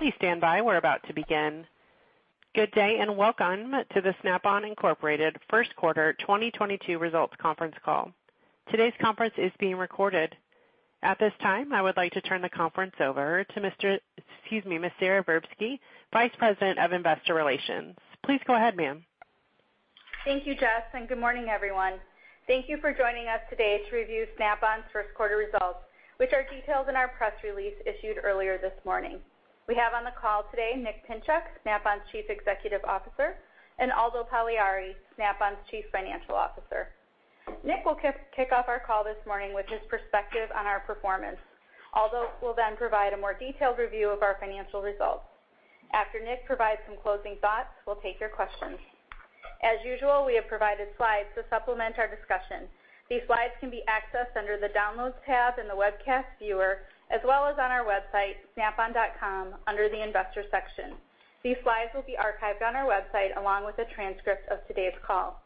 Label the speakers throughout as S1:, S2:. S1: Please stand by. We're about to begin. Good day, and welcome to the Snap-on Incorporated First Quarter 2022 Results Conference Call. Today's conference is being recorded. At this time, I would like to turn the conference over to Miss Sara Verbsky, Vice President of Investor Relations. Please go ahead, ma'am.
S2: Thank you, Jess, and good morning, everyone. Thank you for joining us today to review Snap-on's first quarter results, which are detailed in our press release issued earlier this morning. We have on the call today Nick Pinchuk, Snap-on's Chief Executive Officer, and Aldo Pagliari, Snap-on's Chief Financial Officer. Nick will kick off our call this morning with his perspective on our performance. Aldo will then provide a more detailed review of our financial results. After Nick provides some closing thoughts, we'll take your questions. As usual, we have provided slides to supplement our discussion. These slides can be accessed under the Downloads tab in the webcast viewer, as well as on our website, snapon.com, under the Investor section. These slides will be archived on our website, along with a transcript of today's call.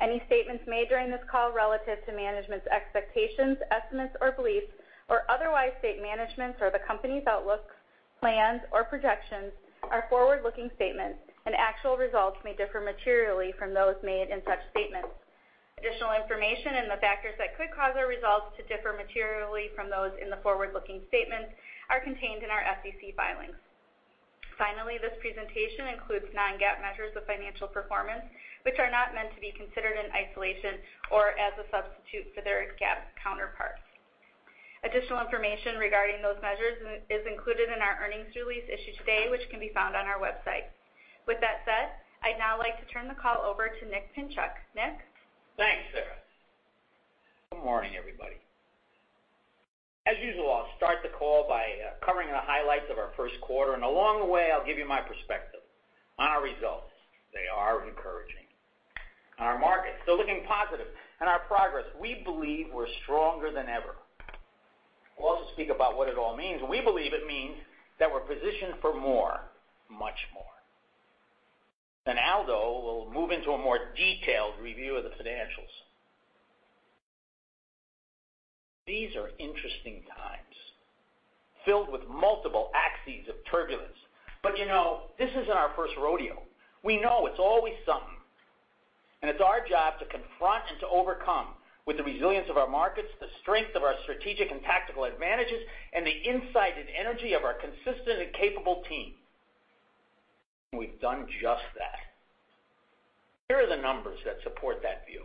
S2: Any statements made during this call relative to management's expectations, estimates or beliefs or otherwise state management's or the company's outlooks, plans or projections are forward-looking statements, and actual results may differ materially from those made in such statements. Additional information and the factors that could cause our results to differ materially from those in the forward-looking statements are contained in our SEC filings. Finally, this presentation includes non-GAAP measures of financial performance, which are not meant to be considered in isolation or as a substitute for their GAAP counterparts. Additional information regarding those measures is included in our earnings release issued today, which can be found on our website. With that said, I'd now like to turn the call over to Nick Pinchuk. Nick?
S3: Thanks, Sarah. Good morning, everybody. As usual, I'll start the call by covering the highlights of our first quarter, and along the way, I'll give you my perspective on our results. They are encouraging. On our market, still looking positive, and our progress. We believe we're stronger than ever. We'll also speak about what it all means. We believe it all means that we're positioned for more, much more. Then Aldo will move into a more detailed review of the financials. These are interesting times filled with multiple axes of turbulence. You know, this isn't our first rodeo. We know it's always something, and it's our job to confront and to overcome with the resilience of our markets, the strength of our strategic and tactical advantages, and the insight and energy of our consistent and capable team. We've done just that. Here are the numbers that support that view.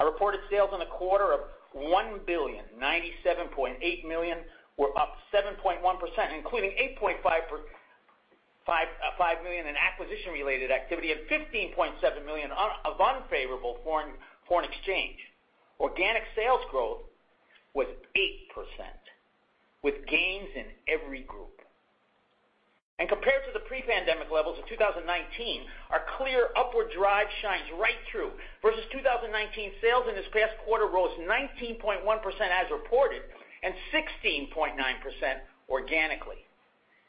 S3: Our reported sales in the quarter of $1,097.8 million were up 7.1%, including $8.5 million in acquisition-related activity and $15.7 million of unfavorable foreign exchange. Organic sales growth was 8%, with gains in every group. Compared to the pre-pandemic levels of 2019, our clear upward drive shines right through. Versus 2019, sales in this past quarter rose 19.1% as reported and 16.9% organically.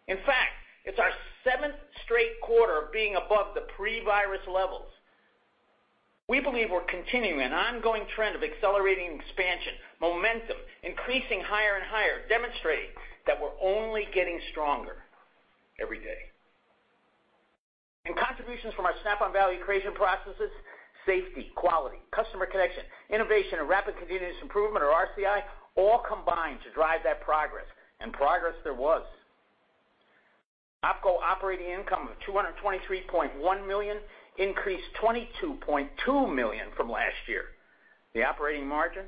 S3: In fact, it's our seventh straight quarter of being above the pre-virus levels. We believe we're continuing an ongoing trend of accelerating expansion, momentum, increasing higher and higher, demonstrating that we're only getting stronger every day. Contributions from our Snap-on Value Creation Processes, safety, quality, customer connection, innovation and Rapid Continuous Improvement, or RCI, all combine to drive that progress, and progress there was. OpCo operating income of $223.1 million increased $22.2 million from last year. The operating margin,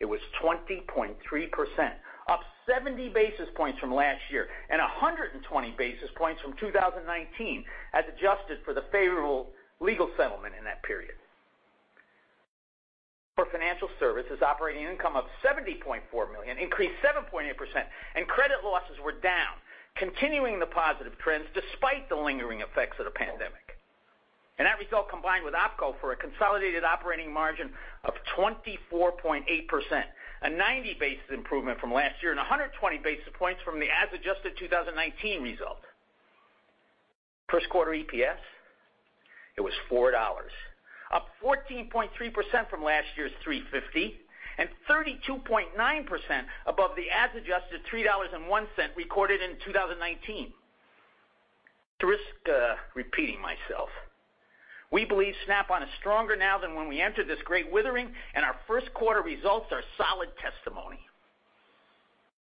S3: it was 20.3%, up 70 basis points from last year, and 120 basis points from 2019 as adjusted for the favorable legal settlement in that period. For financial services, operating income of $70.4 million increased 7.8%, and credit losses were down, continuing the positive trends despite the lingering effects of the pandemic. That result combined with OpCo for a consolidated operating margin of 24.8%, a 90 basis point improvement from last year and a 120 basis points from the as-adjusted 2019 result. First quarter EPS was $4, up 14.3% from last year's $3.50 and 32.9% above the as-adjusted $3.01 recorded in 2019. To risk repeating myself, we believe Snap-on is stronger now than when we entered this great withering, and our first quarter results are solid testimony.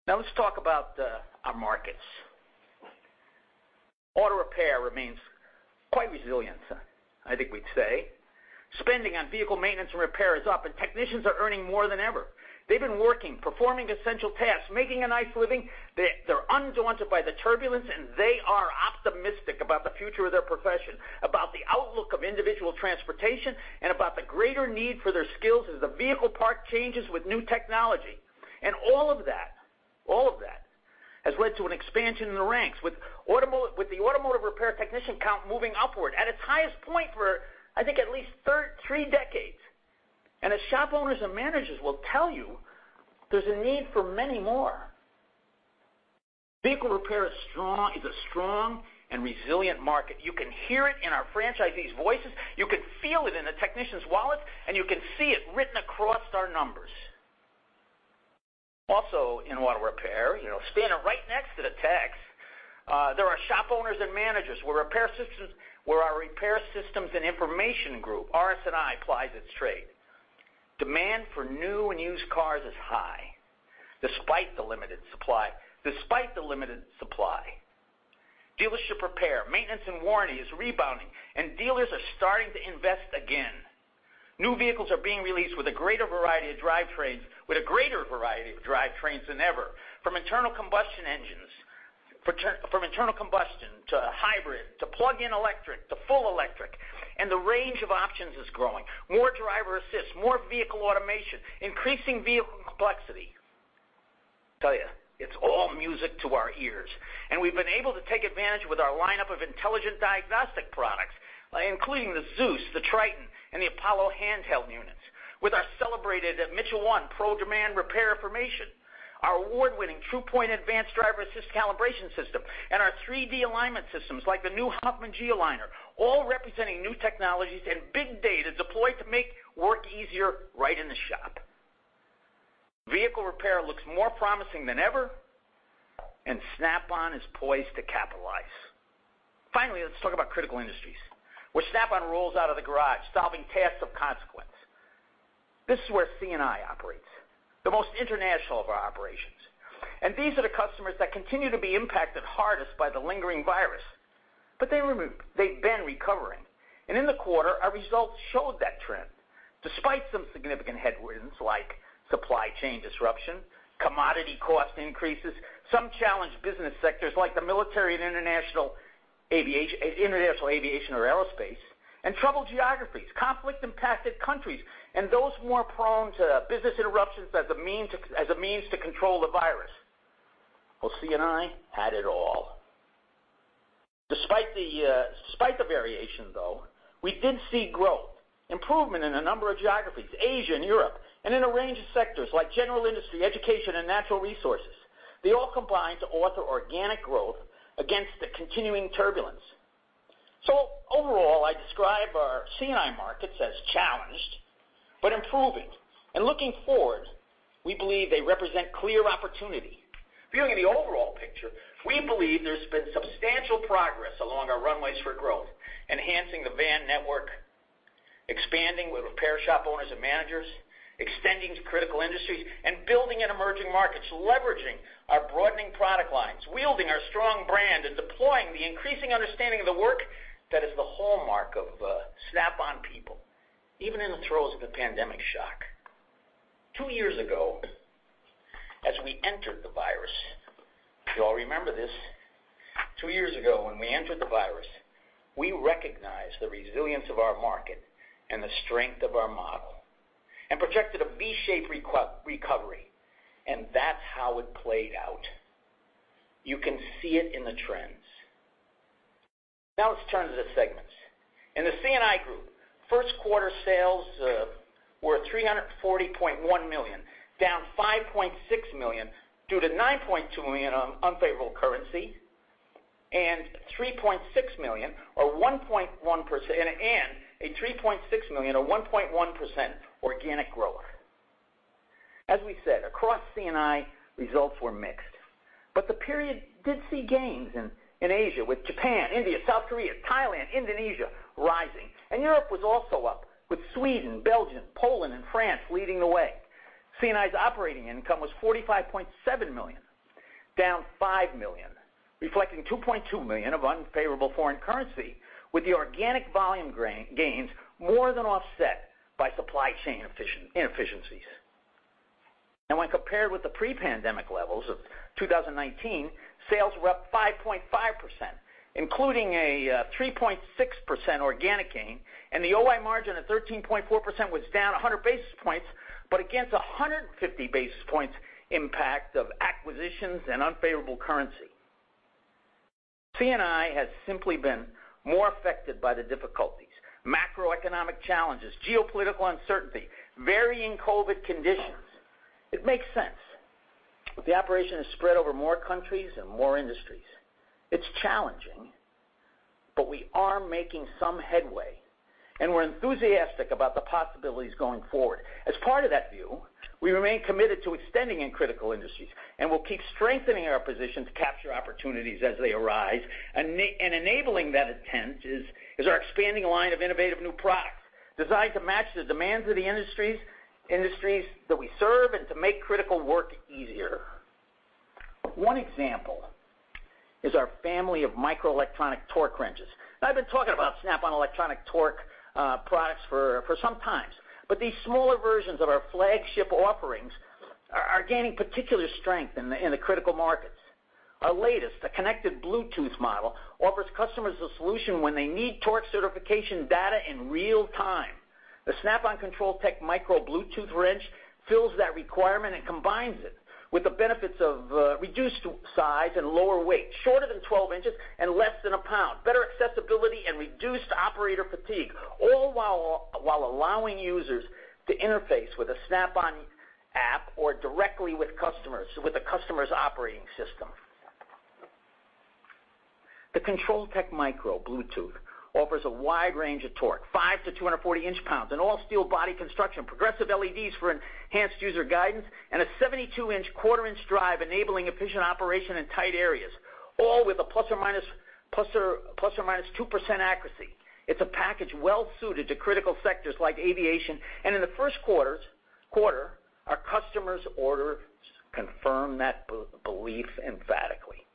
S3: Now let's talk about our markets. Auto repair remains quite resilient, I think we'd say. Spending on vehicle maintenance and repair is up, and technicians are earning more than ever. They've been working, performing essential tasks, making a nice living. They're undaunted by the turbulence, and they are optimistic about the future of their profession, about the outlook of individual transportation, and about the greater need for their skills as the vehicle part changes with new technology. All of that has led to an expansion in the ranks with the automotive repair technician count moving upward at its highest point for, I think, at least three decades. As shop owners and managers will tell you, there's a need for many more. Vehicle repair is strong, a strong and resilient market. You can hear it in our franchisees' voices, you can feel it in the technicians' wallets, and you can see it written across our numbers. Also in auto repair, you know, standing right next to the techs, there are shop owners and managers where repair systems, where our repair systems and information group, RS&I, plies its trade. Demand for new and used cars is high despite the limited supply. Dealership repair, maintenance and warranty is rebounding, and dealers are starting to invest again. New vehicles are being released with a greater variety of drivetrains than ever. From internal combustion engines to hybrid, to plug-in electric, to full electric, and the range of options is growing. More driver assists, more vehicle automation, increasing vehicle complexity. Tell you, it's all music to our ears, and we've been able to take advantage with our line-up of intelligent diagnostic products, including the ZEUS, the TRITON, and the APOLLO handheld units. With our celebrated Mitchell 1 ProDemand Repair Information, our award-winning Tru-Point Advanced Driver Assistance Calibration System, and our 3D alignment systems like the new Hofmann geoliner, all representing new technologies and big data deployed to make work easier right in the shop. Vehicle repair looks more promising than ever, and Snap-on is poised to capitalize. Finally, let's talk about critical industries, where Snap-on rolls out of the garage, solving tasks of consequence. This is where C&I operates, the most international of our operations. These are the customers that continue to be impacted hardest by the lingering virus. But they've been recovering. In the quarter, our results showed that trend, despite some significant headwinds like supply chain disruption, commodity cost increases, some challenged business sectors like the military and international aviation or aerospace, and troubled geographies, conflict-impacted countries, and those more prone to business interruptions as a means to control the virus. Well, C&I had it all. Despite the variation, though, we did see growth, improvement in a number of geographies, Asia and Europe, and in a range of sectors like general industry, education, and natural resources. They all combined to author organic growth against the continuing turbulence. Overall, I describe our C&I markets as challenged but improving. Looking forward, we believe they represent clear opportunity. Viewing the overall picture, we believe there's been substantial progress along our runways for growth, enhancing the van network, expanding with repair shop owners and managers, extending to critical industries, and building in emerging markets, leveraging our broadening product lines, wielding our strong brand, and deploying the increasing understanding of the work that is the hallmark of Snap-on people, even in the throes of the pandemic shock. Two years ago, when we entered the virus, we recognized the resilience of our market and the strength of our model and projected a V-shaped recovery, and that's how it played out. You can see it in the trends. Now let's turn to the segments. In the C&I group, first quarter sales were $340.1 million, down $5.6 million due to $9.2 million of unfavorable currency and $3.6 million or 1.1% organic growth. As we said, across C&I, results were mixed. The period did see gains in Asia with Japan, India, South Korea, Thailand, Indonesia rising. Europe was also up with Sweden, Belgium, Poland, and France leading the way. C&I's operating income was $45.7 million, down $5 million, reflecting $2.2 million of unfavorable foreign currency, with the organic volume gains more than offset by supply chain inefficiencies. When compared with the pre-pandemic levels of 2019, sales were up 5.5%, including a 3.6% organic gain, and the OI margin at 13.4% was down 100 basis points but against 150 basis points impact of acquisitions and unfavorable currency. C&I has simply been more affected by the difficulties, macroeconomic challenges, geopolitical uncertainty, varying COVID conditions. It makes sense. The operation is spread over more countries and more industries. It's challenging, but we are making some headway, and we're enthusiastic about the possibilities going forward. As part of that view, we remain committed to extending in critical industries, and we'll keep strengthening our position to capture opportunities as they arise. Enabling that intent is our expanding line of innovative new products designed to match the demands of the industries that we serve and to make critical work easier. One example is our family of microelectronic torque wrenches. I've been talking about Snap-on electronic torque products for some time. These smaller versions of our flagship offerings are gaining particular strength in the critical markets. Our latest, the connected Bluetooth model, offers customers a solution when they need torque certification data in real time. The Snap-on ControlTech, Micro Bluetooth wrench fills that requirement and combines it with the benefits of reduced size and lower weight, shorter than 12 inches and less than a pound, better accessibility and reduced operator fatigue, all while allowing users to interface with a Snap-on app or directly with the customer's operating system. The ControlTech Micro Bluetooth offers a wide range of torque, 5-240 inch-pounds, an all-steel body construction, progressive LEDs for enhanced user guidance, and a 72-tooth 1/4-inch drive enabling efficient operation in tight areas, all with a ±2% accuracy. It's a package well-suited to critical sectors like aviation, and in the first quarter, our customers' orders confirm that belief emphatically.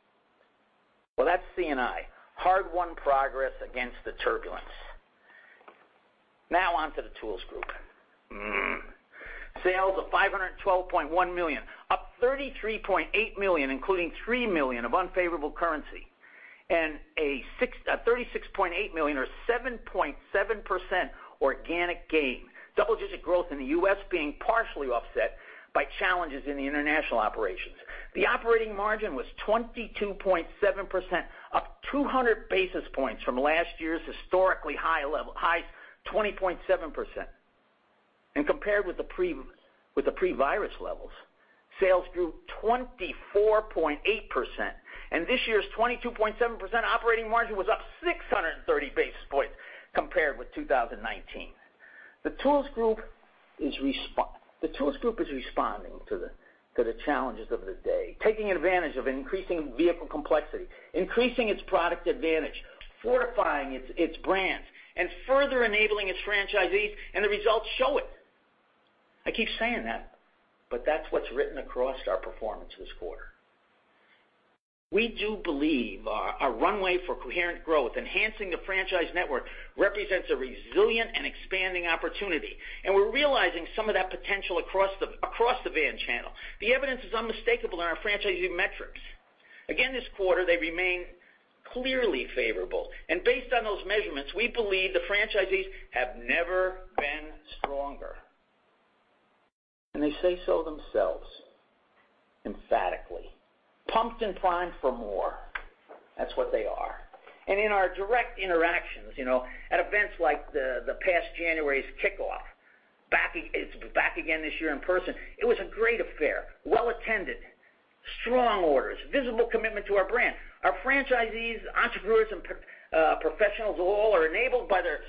S3: Well, that's C&I, hard-won progress against the turbulence. Now on to the tools group. Sales of $512.1 million, up $33.8 million, including $3 million of unfavorable currency, and a $36.8 million or 7.7% organic gain. Double-digit growth in the U.S. being partially offset by challenges in the international operations. The operating margin was 22.7%, up 200 basis points from last year's historically high level, high 20.7%. Compared with the pre-virus levels, sales grew 24.8%, and this year's 22.7% operating margin was up 630 basis points compared with 2019. The tools group is responding to the challenges of the day, taking advantage of increasing vehicle complexity, increasing its product advantage, fortifying its brands, and further enabling its franchisees, and the results show it. I keep saying that, but that's what's written across our performance this quarter. We do believe our runway for coherent growth, enhancing the franchise network represents a resilient and expanding opportunity, and we're realizing some of that potential across the van channel. The evidence is unmistakable in our franchising metrics. Again, this quarter, they remain clearly favorable. Based on those measurements, we believe the franchisees have never been stronger. They say so themselves emphatically. Pumped and primed for more. That's what they are. In our direct interactions, you know, at events like the past January's kick-off—it's back again this year in person. It was a great affair, well attended, strong orders, visible commitment to our brand. Our franchisees, entrepreneurs, and professionals all are enabled by their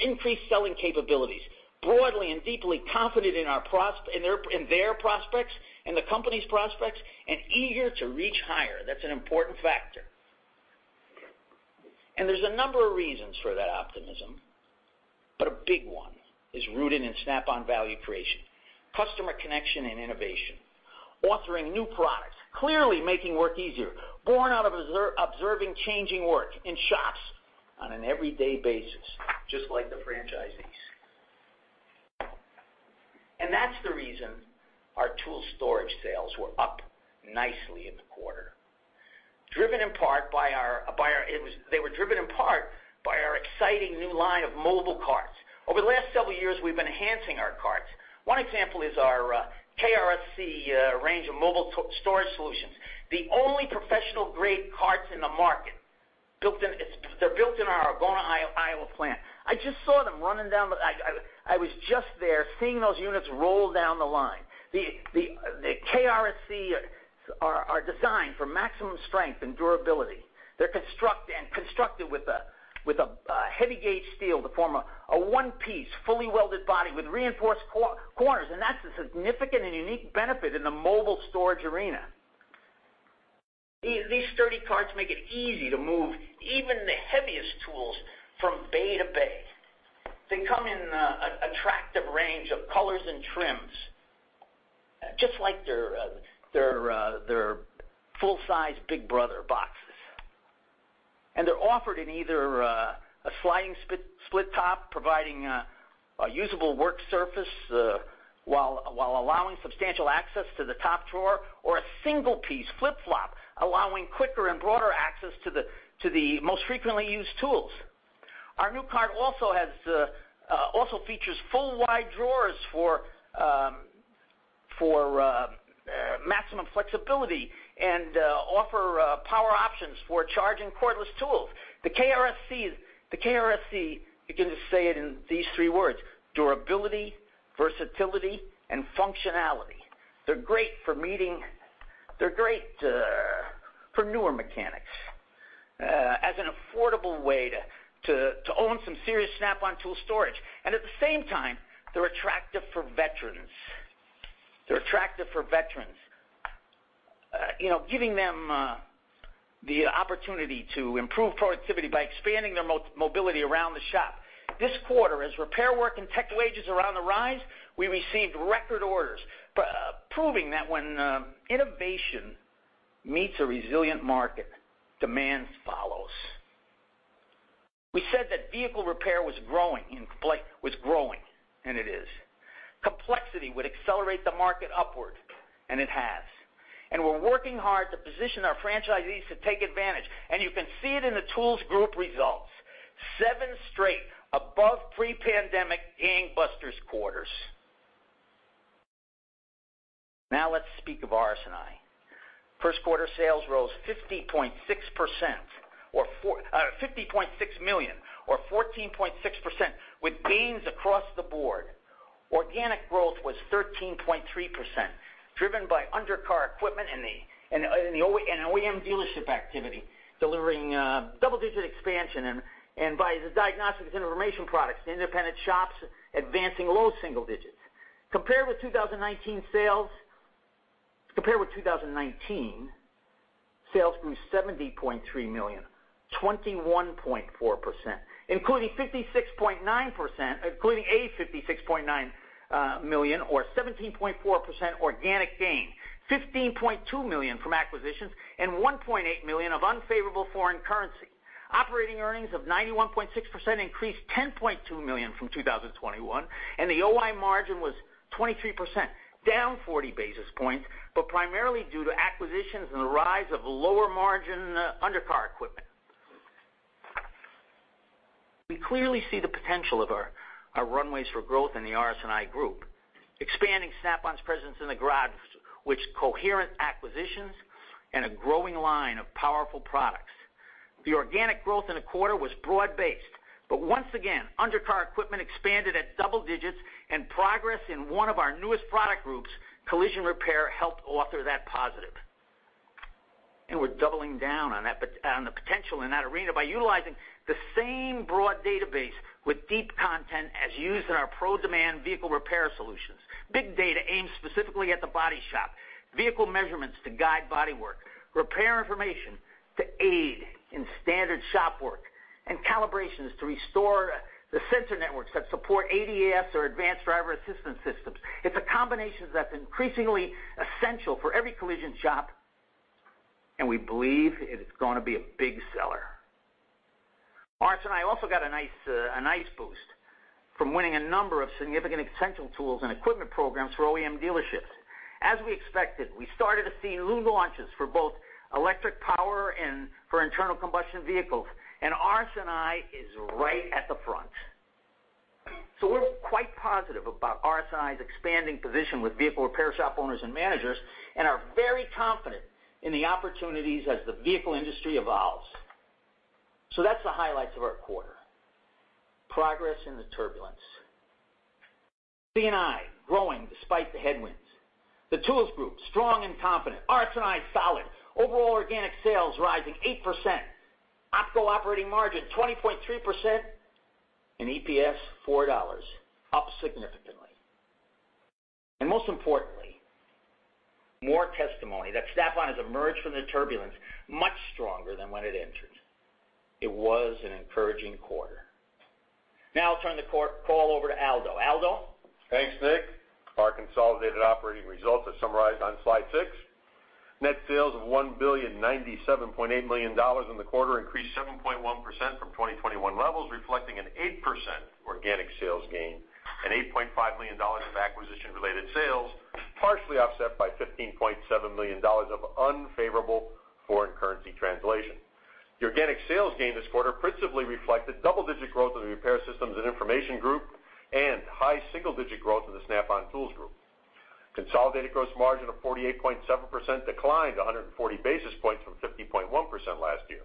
S3: increased selling capabilities, broadly and deeply confident in their prospects, in the company's prospects, and eager to reach higher. That's an important factor. There's a number of reasons for that optimism, but a big one is rooted in Snap-on Value Creation, customer connection and innovation, authoring new products, clearly making work easier, born out of observing changing work in shops on an everyday basis, just like the franchisees. That's the reason our tool storage sales were up nicely in the quarter, driven in part by our exciting new line of mobile carts. Over the last several years, we've been enhancing our carts. One example is our KRSC range of mobile tool-storage solutions. The only professional-grade carts in the market built in our Algona, Iowa plant. I just saw them running down the line. I was just there seeing those units roll down the line. The KRSC are designed for maximum strength and durability. They're constructed with a heavy-gauge steel to form a one-piece, fully welded body with reinforced corners, and that's a significant and unique benefit in the mobile storage arena. These sturdy carts make it easy to move even the heaviest tools from bay to bay. They come in attractive range of colors and trims, just like their full-size big brother boxes. They're offered in either a sliding split top, providing a usable work surface while allowing substantial access to the top drawer or a single piece flip-flop, allowing quicker and broader access to the most frequently used tools. Our new cart also features full wide drawers for maximum flexibility and offer power options for charging cordless tools. The KRSC you can just say it in these three words: durability, versatility, and functionality. They're great for newer mechanics as an affordable way to own some serious Snap-on tool storage. At the same time, they're attractive for veterans, you know, giving them the opportunity to improve productivity by expanding their mobility around the shop. This quarter, as repair work and tech wages are on the rise, we received record orders, proving that when innovation meets a resilient market, demand follows. We said that vehicle repair was growing, and it is. Complexity would accelerate the market upward, and it has. We're working hard to position our franchisees to take advantage, and you can see it in the tools group results. Seven straight above pre-pandemic gangbusters quarters. Now let's speak of RS&I. First-quarter sales rose 50.6% or $50.6 million or 14.6% with gains across the board. Organic growth was 13.3%, driven by undercar equipment and OEM dealership activity, delivering double-digit expansion and by the diagnostics information products, independent shops advancing low single digits. Compared with 2019, sales grew $70.3 million, 21.4%, including a $56.9 million or 17.4% organic gain, $15.2 million from acquisitions and $1.8 million of unfavorable foreign currency. Operating earnings of $91.6 million increased $10.2 million from 2021, and the OI margin was 23%, down 40 basis points, but primarily due to acquisitions and the rise of lower margin undercar equipment. We clearly see the potential of our runways for growth in the RS&I Group, expanding Snap-on's presence in the garage with coherent acquisitions and a growing line of powerful products. The organic growth in the quarter was broad-based, but once again, undercar equipment expanded at double digits and progress in one of our newest product groups, collision repair, helped author that positive. We're doubling down on the potential in that arena by utilizing the same broad database with deep content as used in our ProDemand vehicle repair solutions. Big data aimed specifically at the body shop, vehicle measurements to guide body work, repair information to aid in standard shop work, and calibrations to restore the sensor networks that support ADAS or advanced driver-assistance systems. It's a combination that's increasingly essential for every collision shop, and we believe it is gonna be a big seller. RS&I also got a nice boost from winning a number of significant essential tools and equipment programs for OEM dealerships. As we expected, we started to see new launches for both electric power and for internal combustion vehicles, and RS&I is right at the front. We're quite positive about RS&I's expanding position with vehicle repair shop owners and managers, and are very confident in the opportunities as the vehicle industry evolves. That's the highlights of our quarter. Progress in the turbulence. C&I growing despite the headwinds. The tools group, strong and confident. RS&I, solid. Overall organic sales rising 8%. OpCo operating margin, 20.3%, and EPS, $4, up significantly. Most importantly, more testimony that Snap-on has emerged from the turbulence much stronger than when it entered. It was an encouraging quarter. Now I'll turn the call over to Aldo. Aldo?
S4: Thanks, Nick. Our consolidated operating results are summarized on slide six. Net sales of $1,097.8 million in the quarter increased 7.1% from 2021 levels, reflecting an 8% organic sales gain and $8.5 million of acquisition-related sales, partially offset by $15.7 million of unfavorable foreign currency translation. The organic sales gain this quarter principally reflected double-digit growth in the Repair Systems and Information Group and high single-digit growth in the Snap-on Tools Group. Consolidated gross margin of 48.7% declined 140 basis points from 50.1% last year.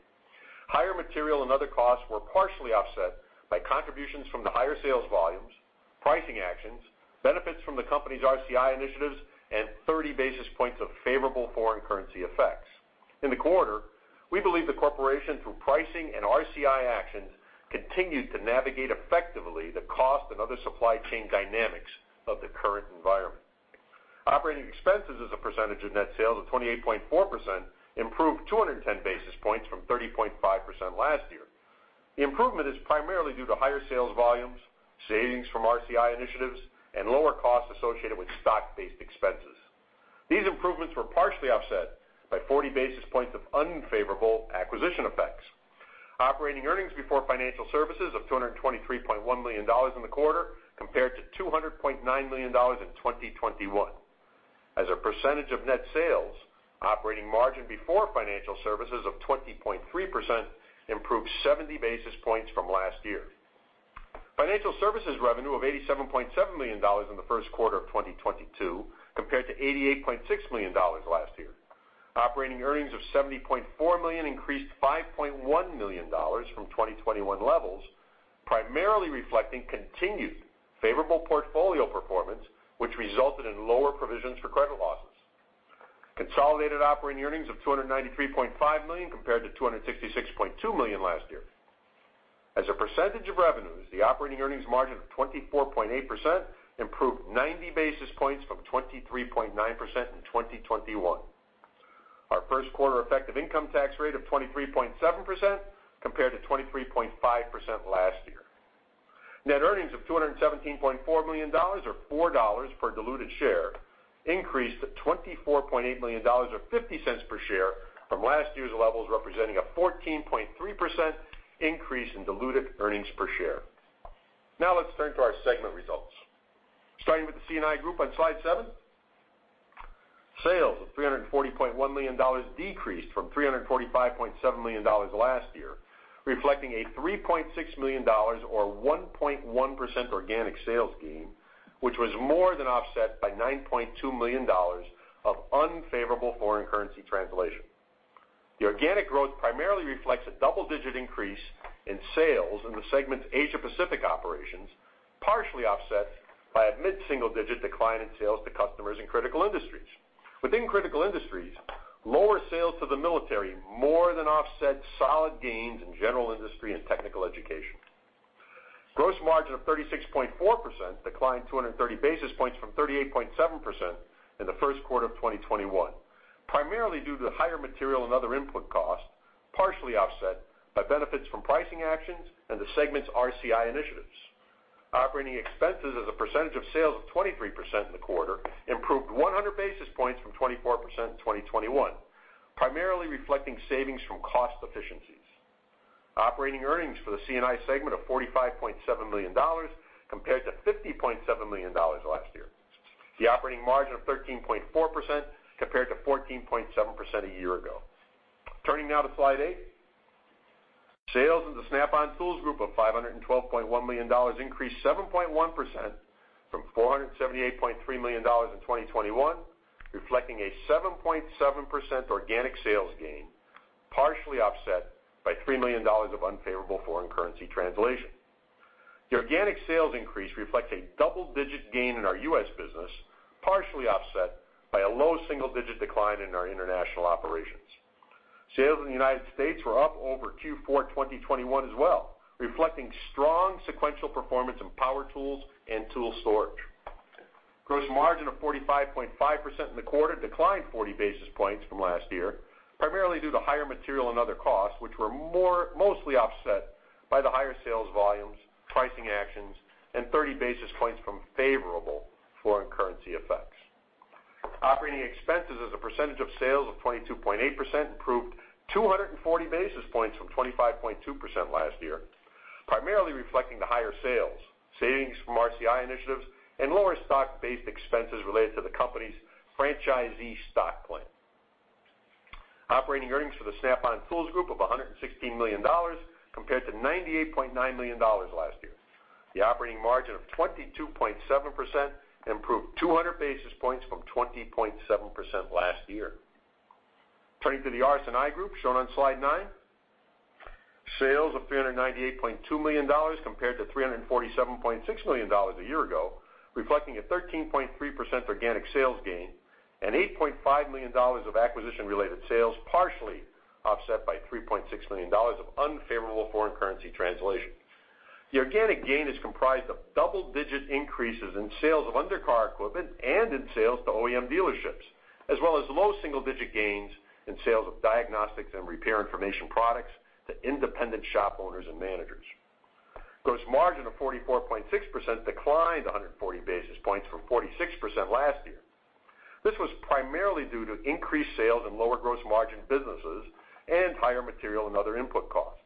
S4: Higher material and other costs were partially offset by contributions from the higher sales volumes, pricing actions, benefits from the company's RCI initiatives, and 30 basis points of favorable foreign currency effects. In the quarter, we believe the corporation, through pricing and RCI actions, continued to navigate effectively the cost and other supply chain dynamics of the current environment. Operating expenses as a percentage of net sales of 28.4% improved 210 basis points from 30.5% last year. The improvement is primarily due to higher sales volumes, savings from RCI initiatives, and lower costs associated with stock-based expenses. These improvements were partially offset by 40 basis points of unfavorable acquisition effects. Operating earnings before financial services of $223.1 million in the quarter compared to $200.9 million in 2021. As a percentage of net sales, operating margin before financial services of 20.3% improved 70 basis points from last year. Financial services revenue of $87.7 million in the first quarter of 2022 compared to $88.6 million last year. Operating earnings of $70.4 million increased $5.1 million from 2021 levels, primarily reflecting continued favorable portfolio performance, which resulted in lower provisions for credit losses. Consolidated operating earnings of $293.5 million compared to $266.2 million last year. As a percentage of revenues, the operating earnings margin of 24.8% improved 90 basis points from 23.9% in 2021. Our first quarter effective income tax rate of 23.7% compared to 23.5% last year. Net earnings of $217.4 million, or $4 per diluted share, increased to $24.8 million, or $0.50 per share from last year's levels, representing a 14.3% increase in diluted earnings per share. Now let's turn to our segment results. Starting with the C&I Group on slide 7. Sales of $340.1 million decreased from $345.7 million last year, reflecting a $3.6 million or 1.1% organic sales gain, which was more than offset by $9.2 million of unfavorable foreign currency translation. The organic growth primarily reflects a double-digit increase in sales in the segment's Asia Pacific operations, partially offset by a mid-single digit decline in sales to customers in critical industries. Within critical industries, lower sales to the military more than offset solid gains in general industry and technical education. Gross margin of 36.4% declined 230 basis points from 38.7% in the first quarter of 2021, primarily due to higher material and other input costs, partially offset by benefits from pricing actions and the segment's RCI initiatives. Operating expenses as a percentage of sales of 23% in the quarter improved 100 basis points from 24% in 2021, primarily reflecting savings from cost efficiencies. Operating earnings for the C&I segment of $45.7 million compared to $50.7 million last year. The operating margin of 13.4% compared to 14.7% a year ago. Turning now to slide eight. Sales in the Snap-on Tools Group of $512.1 million increased 7.1% from $478.3 million in 2021, reflecting a 7.7% organic sales gain, partially offset by $3 million of unfavorable foreign currency translation. The organic sales increase reflects a double-digit gain in our U.S. business, partially offset by a low single-digit decline in our international operations. Sales in the United States were up over Q4 2021 as well, reflecting strong sequential performance in power tools and tool storage. Gross margin of 45.5% in the quarter declined 40 basis points from last year, primarily due to higher material and other costs, which were mostly offset by the higher sales volumes, pricing actions, and 30 basis points from favorable foreign currency effects. Operating expenses as a percentage of sales of 22.8% improved 240 basis points from 25.2% last year, primarily reflecting the higher sales, savings from RCI initiatives, and lower stock-based expenses related to the company's franchisee stock plan. Operating earnings for the Snap-on Tools Group of $116 million compared to $98.9 million last year. The operating margin of 22.7% improved 200 basis points from 20.7% last year. Turning to the RS&I Group shown on slide nine. Sales of $398.2 million compared to $347.6 million a year ago, reflecting a 13.3% organic sales gain and $8.5 million of acquisition-related sales, partially offset by $3.6 million of unfavorable foreign currency translation. The organic gain is comprised of double-digit increases in sales of undercar equipment and in sales to OEM dealerships, as well as low double-digit gains in sales of diagnostics and repair information products to independent shop owners and managers. Gross margin of 44.6% declined 140 basis points from 46% last year. This was primarily due to increased sales in lower gross margin businesses and higher material and other input costs,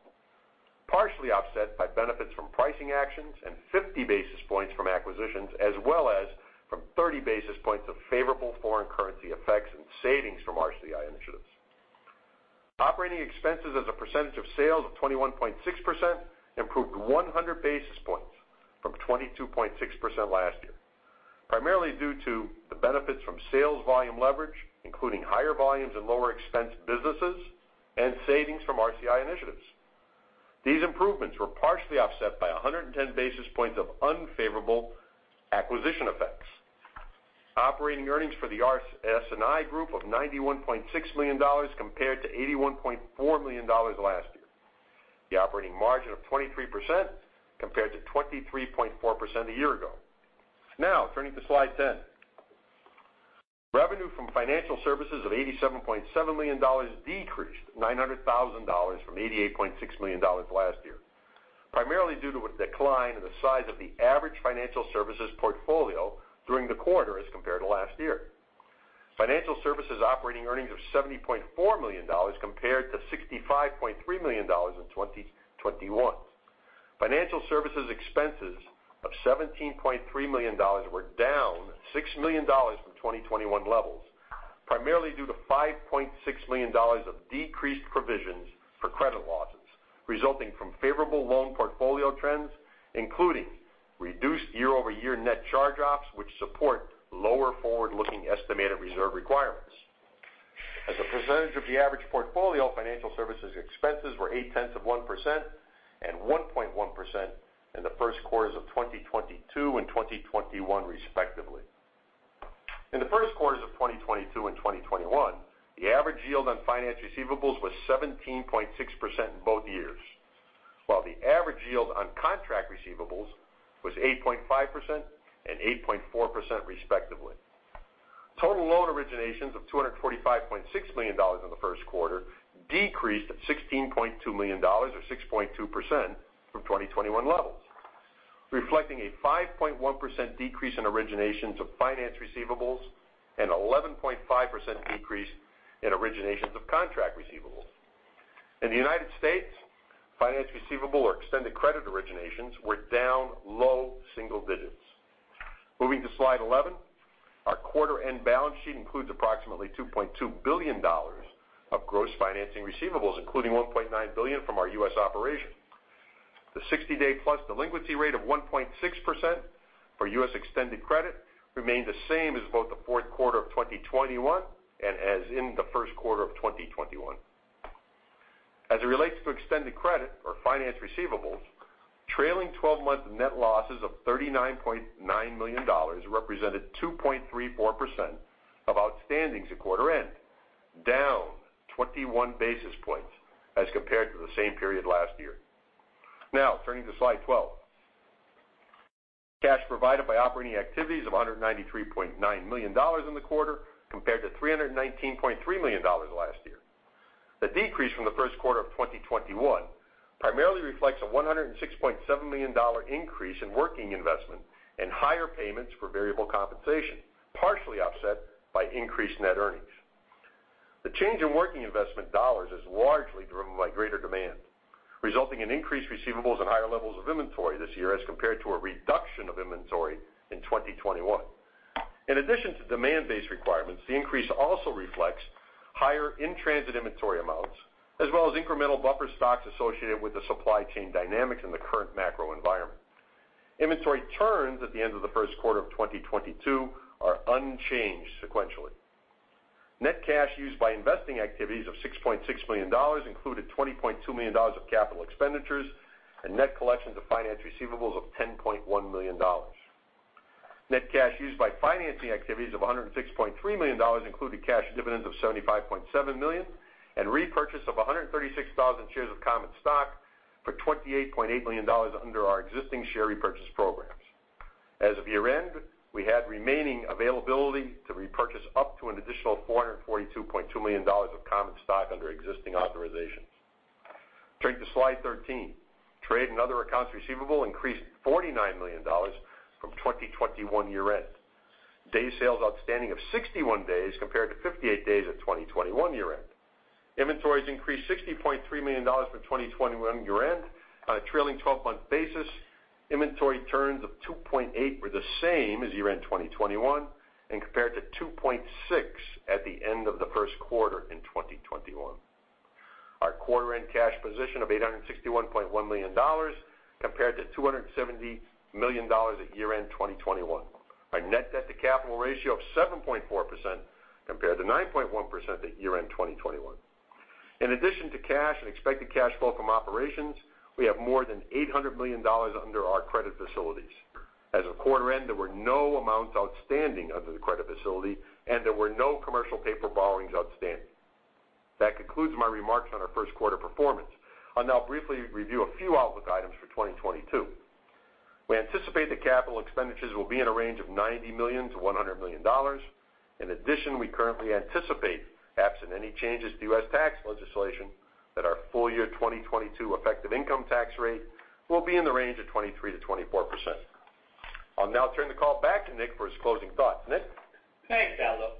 S4: partially offset by benefits from pricing actions and fifty basis points from acquisitions, as well as from 30 basis points of favorable foreign currency effects and savings from RCI initiatives. Operating expenses as a percentage of sales of 21.6% improved 100 basis points from 22.6% last year, primarily due to the benefits from sales volume leverage, including higher volumes in lower expense businesses and savings from RCI initiatives. These improvements were partially offset by 110 basis points of unfavorable acquisition effects. Operating earnings for the RS&I group of $91.6 million compared to $81.4 million last year. The operating margin of 23% compared to 23.4% a year ago. Now turning to slide ten. Revenue from financial services of $87.7 million decreased $900,000 from $88.6 million last year, primarily due to a decline in the size of the average financial services portfolio during the quarter as compared to last year. Financial services operating earnings of $70.4 million compared to $65.3 million in 2021. Financial services expenses of $17.3 million were down $6 million from 2021 levels, primarily due to $5.6 million of decreased provisions for credit losses, resulting from favorable loan portfolio trends, including reduced year-over-year net charge-offs, which support lower forward-looking estimated reserve requirements. As a percentage of the average portfolio, financial services expenses were 0.8% and 1.1% in the first quarters of 2022 and 2021, respectively. In the first quarters of 2022 and 2021, the average yield on finance receivables was 17.6% in both years, while the average yield on contract receivables was 8.5% and 8.4%, respectively. Total loan originations of $245.6 million in the first quarter decreased $16.2 million or 6.2% from 2021 levels, reflecting a 5.1% decrease in originations of finance receivables and 11.5% decrease in originations of contract receivables. In the United States, finance receivable or extended credit originations were down low single digits. Moving to slide eleven. Our quarter-end balance sheet includes approximately $2.2 billion of gross financing receivables, including $1.9 billion from our U.S. operations. The 60-day+ delinquency rate of 1.6% for U.S. extended credit remained the same as both the fourth quarter of 2021 and as in the first quarter of 2021. As it relates to extended credit or finance receivables, trailing twelve-month net losses of $39.9 million represented 2.34% of outstandings at quarter end, down 21 basis points as compared to the same period last year. Now turning to slide twelve. Cash provided by operating activities of $193.9 million in the quarter compared to $319.3 million last year. The decrease from the first quarter of 2021 primarily reflects a $106.7 million increase in working investment and higher payments for variable compensation, partially offset by increased net earnings. The change in working investment dollars is largely driven by greater demand, resulting in increased receivables and higher levels of inventory this year as compared to a reduction of inventory in 2021. In addition to demand-based requirements, the increase also reflects higher in-transit inventory amounts as well as incremental buffer stocks associated with the supply chain dynamics in the current macro environment. Inventory turns at the end of the first quarter of 2022 are unchanged sequentially. Net cash used by investing activities of $6.6 million included $20.2 million of capital expenditures and net collections of finance receivables of $10.1 million. Net cash used by financing activities of $106.3 million included cash dividends of $75.7 million and repurchase of 136,000 shares of common stock for $28.8 million under our existing share repurchase programs. As of year-end, we had remaining availability to repurchase up to an additional $442.2 million of common stock under existing authorizations. Turning to slide 13. Trade and other accounts receivable increased $49 million from 2021 year-end. Day sales outstanding of 61 days compared to 58 days at 2021 year-end. Inventories increased $60.3 million from 2021 year-end. On a trailing twelve-month basis, inventory turns of 2.8 were the same as year-end 2021 and compared to 2.6 at the end of the first quarter in 2021. Our quarter-end cash position of $861.1 million compared to $270 million at year-end 2021. Our net debt to capital ratio of 7.4% compared to 9.1% at year-end 2021. In addition to cash and expected cash flow from operations, we have more than $800 million under our credit facilities. As of quarter end, there were no amounts outstanding under the credit facility, and there were no commercial paper borrowings outstanding. That concludes my remarks on our first quarter performance. I'll now briefly review a few outlook items for 2022. We anticipate that capital expenditures will be in a range of $90 million-$100 million. In addition, we currently anticipate, absent any changes to U.S. tax legislation, that our full year 2022 effective income tax rate will be in the range of 23%-24%. I'll now turn the call back to Nick for his closing thoughts. Nick?
S3: Thanks, Aldo.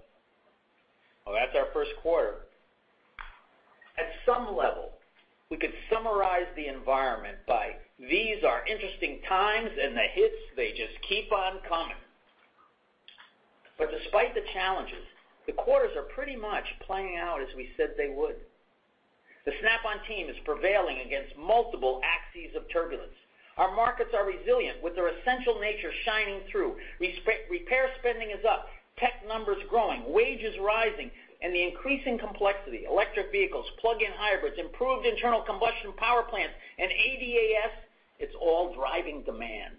S3: Well, that's our first quarter. At some level, we could summarize the environment by saying these are interesting times, and the hits, they just keep on coming. Despite the challenges, the quarters are pretty much playing out as we said they would. The Snap-on team is prevailing against multiple axes of turbulence. Our markets are resilient, with their essential nature shining through. Repair spending is up, tech numbers growing, wages rising, and the increasing complexity, electric vehicles, plug-in hybrids, improved internal combustion power plants, and ADAS, it's all driving demand.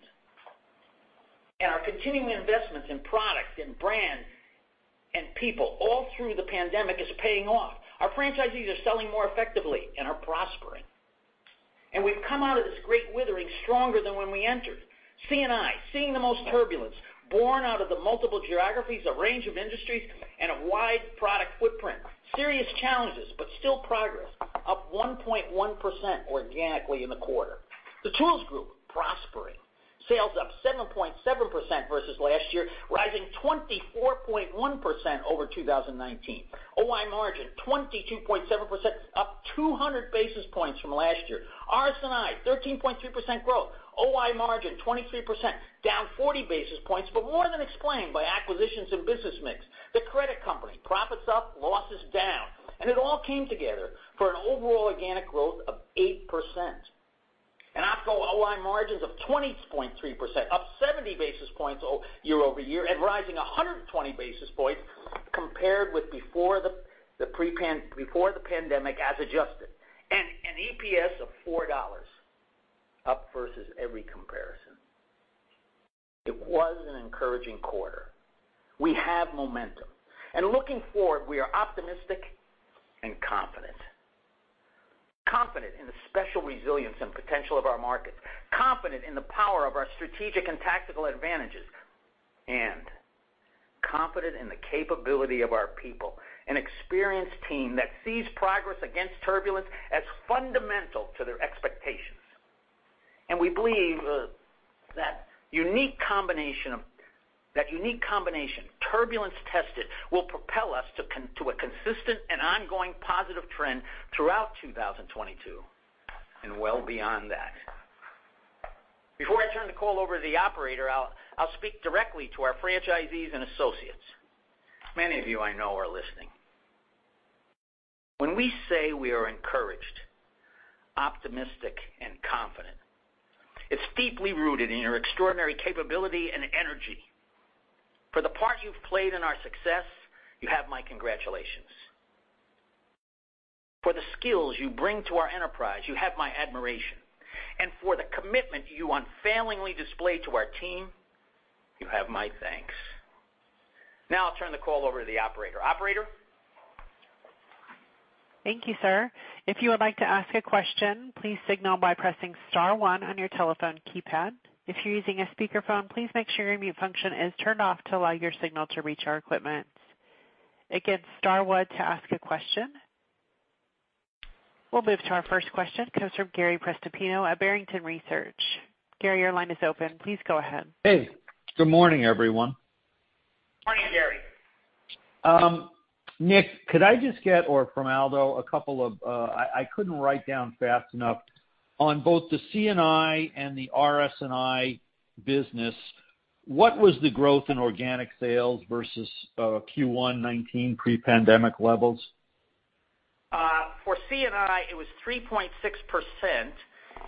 S3: Our continuing investments in products and brands and people all through the pandemic is paying off. Our franchisees are selling more effectively and are prospering. We've come out of this great weathering stronger than when we entered. C&I, seeing the most turbulence, born out of the multiple geographies, a range of industries, and a wide product footprint. Serious challenges, but still progress, up 1.1% organically in the quarter. The Tools Group prospering, sales up 7.7% versus last year, rising 24.1% over 2019. OI margin 22.7%, up 200 basis points from last year. RS&I, 13.3% growth. OI margin, 23%, down 40 basis points, but more than explained by acquisitions and business mix. The credit company, profits up, losses down. It all came together for an overall organic growth of 8%. After all, OI margins of 20.3%, up 70 basis points year-over-year and rising 120 basis points compared with before the pandemic as adjusted. An EPS of $4, up versus every comparison. It was an encouraging quarter. We have momentum. Looking forward, we are optimistic and confident. Confident in the special resilience and potential of our markets, confident in the power of our strategic and tactical advantages, and confident in the capability of our people, an experienced team that sees progress against turbulence as fundamental to their expectations. We believe that unique combination, turbulence tested, will propel us to a consistent and ongoing positive trend throughout 2022 and well beyond that. Before I turn the call over to the operator, I'll speak directly to our franchisees and associates. Many of you I know are listening. When we say we are encouraged, optimistic, and confident, it's deeply rooted in your extraordinary capability and energy. For the part you've played in our success, you have my congratulations. For the skills you bring to our enterprise, you have my admiration. For the commitment you unfailingly display to our team, you have my thanks. Now I'll turn the call over to the operator. Operator?
S1: Thank you, sir. If you would like to ask a question, please signal by pressing star one on your telephone keypad. If you're using a speakerphone, please make sure your mute function is turned off to allow your signal to reach our equipment. Again, star one to ask a question. We'll move to our first question comes from Gary Prestopino at Barrington Research. Gary, your line is open. Please go ahead.
S5: Hey, good morning, everyone.
S3: Morning, Gary.
S5: Nick, could I just get from Aldo a couple of, I couldn't write down fast enough on both the C&I and the RS&I business. What was the growth in organic sales versus Q1 2019 pre-pandemic levels?
S3: For C&I, it was 3.6%,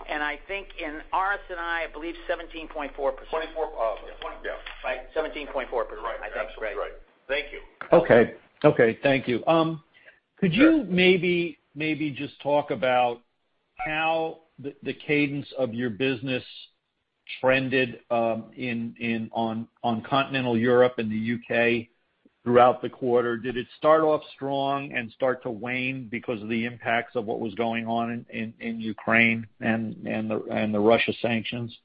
S3: and I think in RS&I believe 17.4%. 24, yeah. Right. 17.4%. You're right. Absolutely right. Thank you.
S5: Okay, thank you. Could you maybe just talk about how the cadence of your business trended on continental Europe and the U.K. throughout the quarter? Did it start off strong and start to wane because of the impacts of what was going on in Ukraine and the Russia sanctions?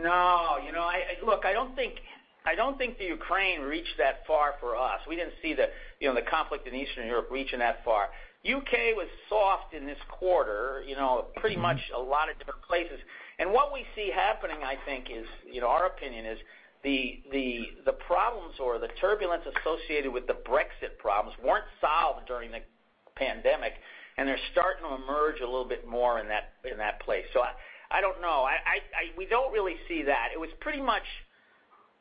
S3: No. You know, look, I don't think the Ukraine reached that far for us. We didn't see you know, the conflict in Eastern Europe reaching that far. U.K. was soft in this quarter, you know, pretty much a lot of different places. What we see happening, I think is, you know, our opinion is the problems or the turbulence associated with the Brexit problems weren't solved during the pandemic, and they're starting to emerge a little bit more in that place. I don't know. We don't really see that. It was pretty much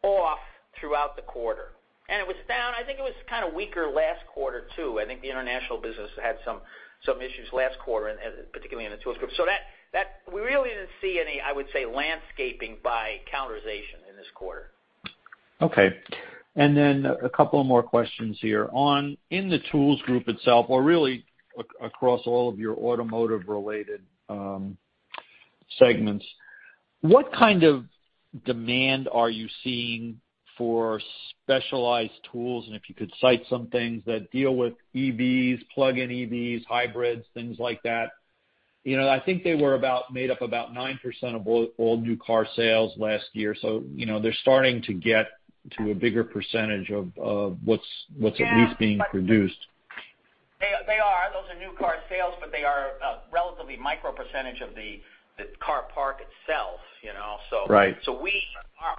S3: off throughout the quarter, and it was down. I think it was kind of weaker last quarter too. I think the international business had some issues last quarter, and particularly in the tools group. That we really didn't see any, I would say, gaming by calendarization in this quarter.
S5: Okay. A couple of more questions here. In the tools group itself or really across all of your automotive related segments, what kind of demand are you seeing for specialized tools? If you could cite some things that deal with EVs, plug-in EVs, hybrids, things like that. You know, I think they made up about 9% of all new car sales last year. You know, they're starting to get to a bigger percentage of what's at least being produced.
S3: They are. Those are new car sales, but they are a relatively micro percentage of the car park itself, you know?
S5: Right.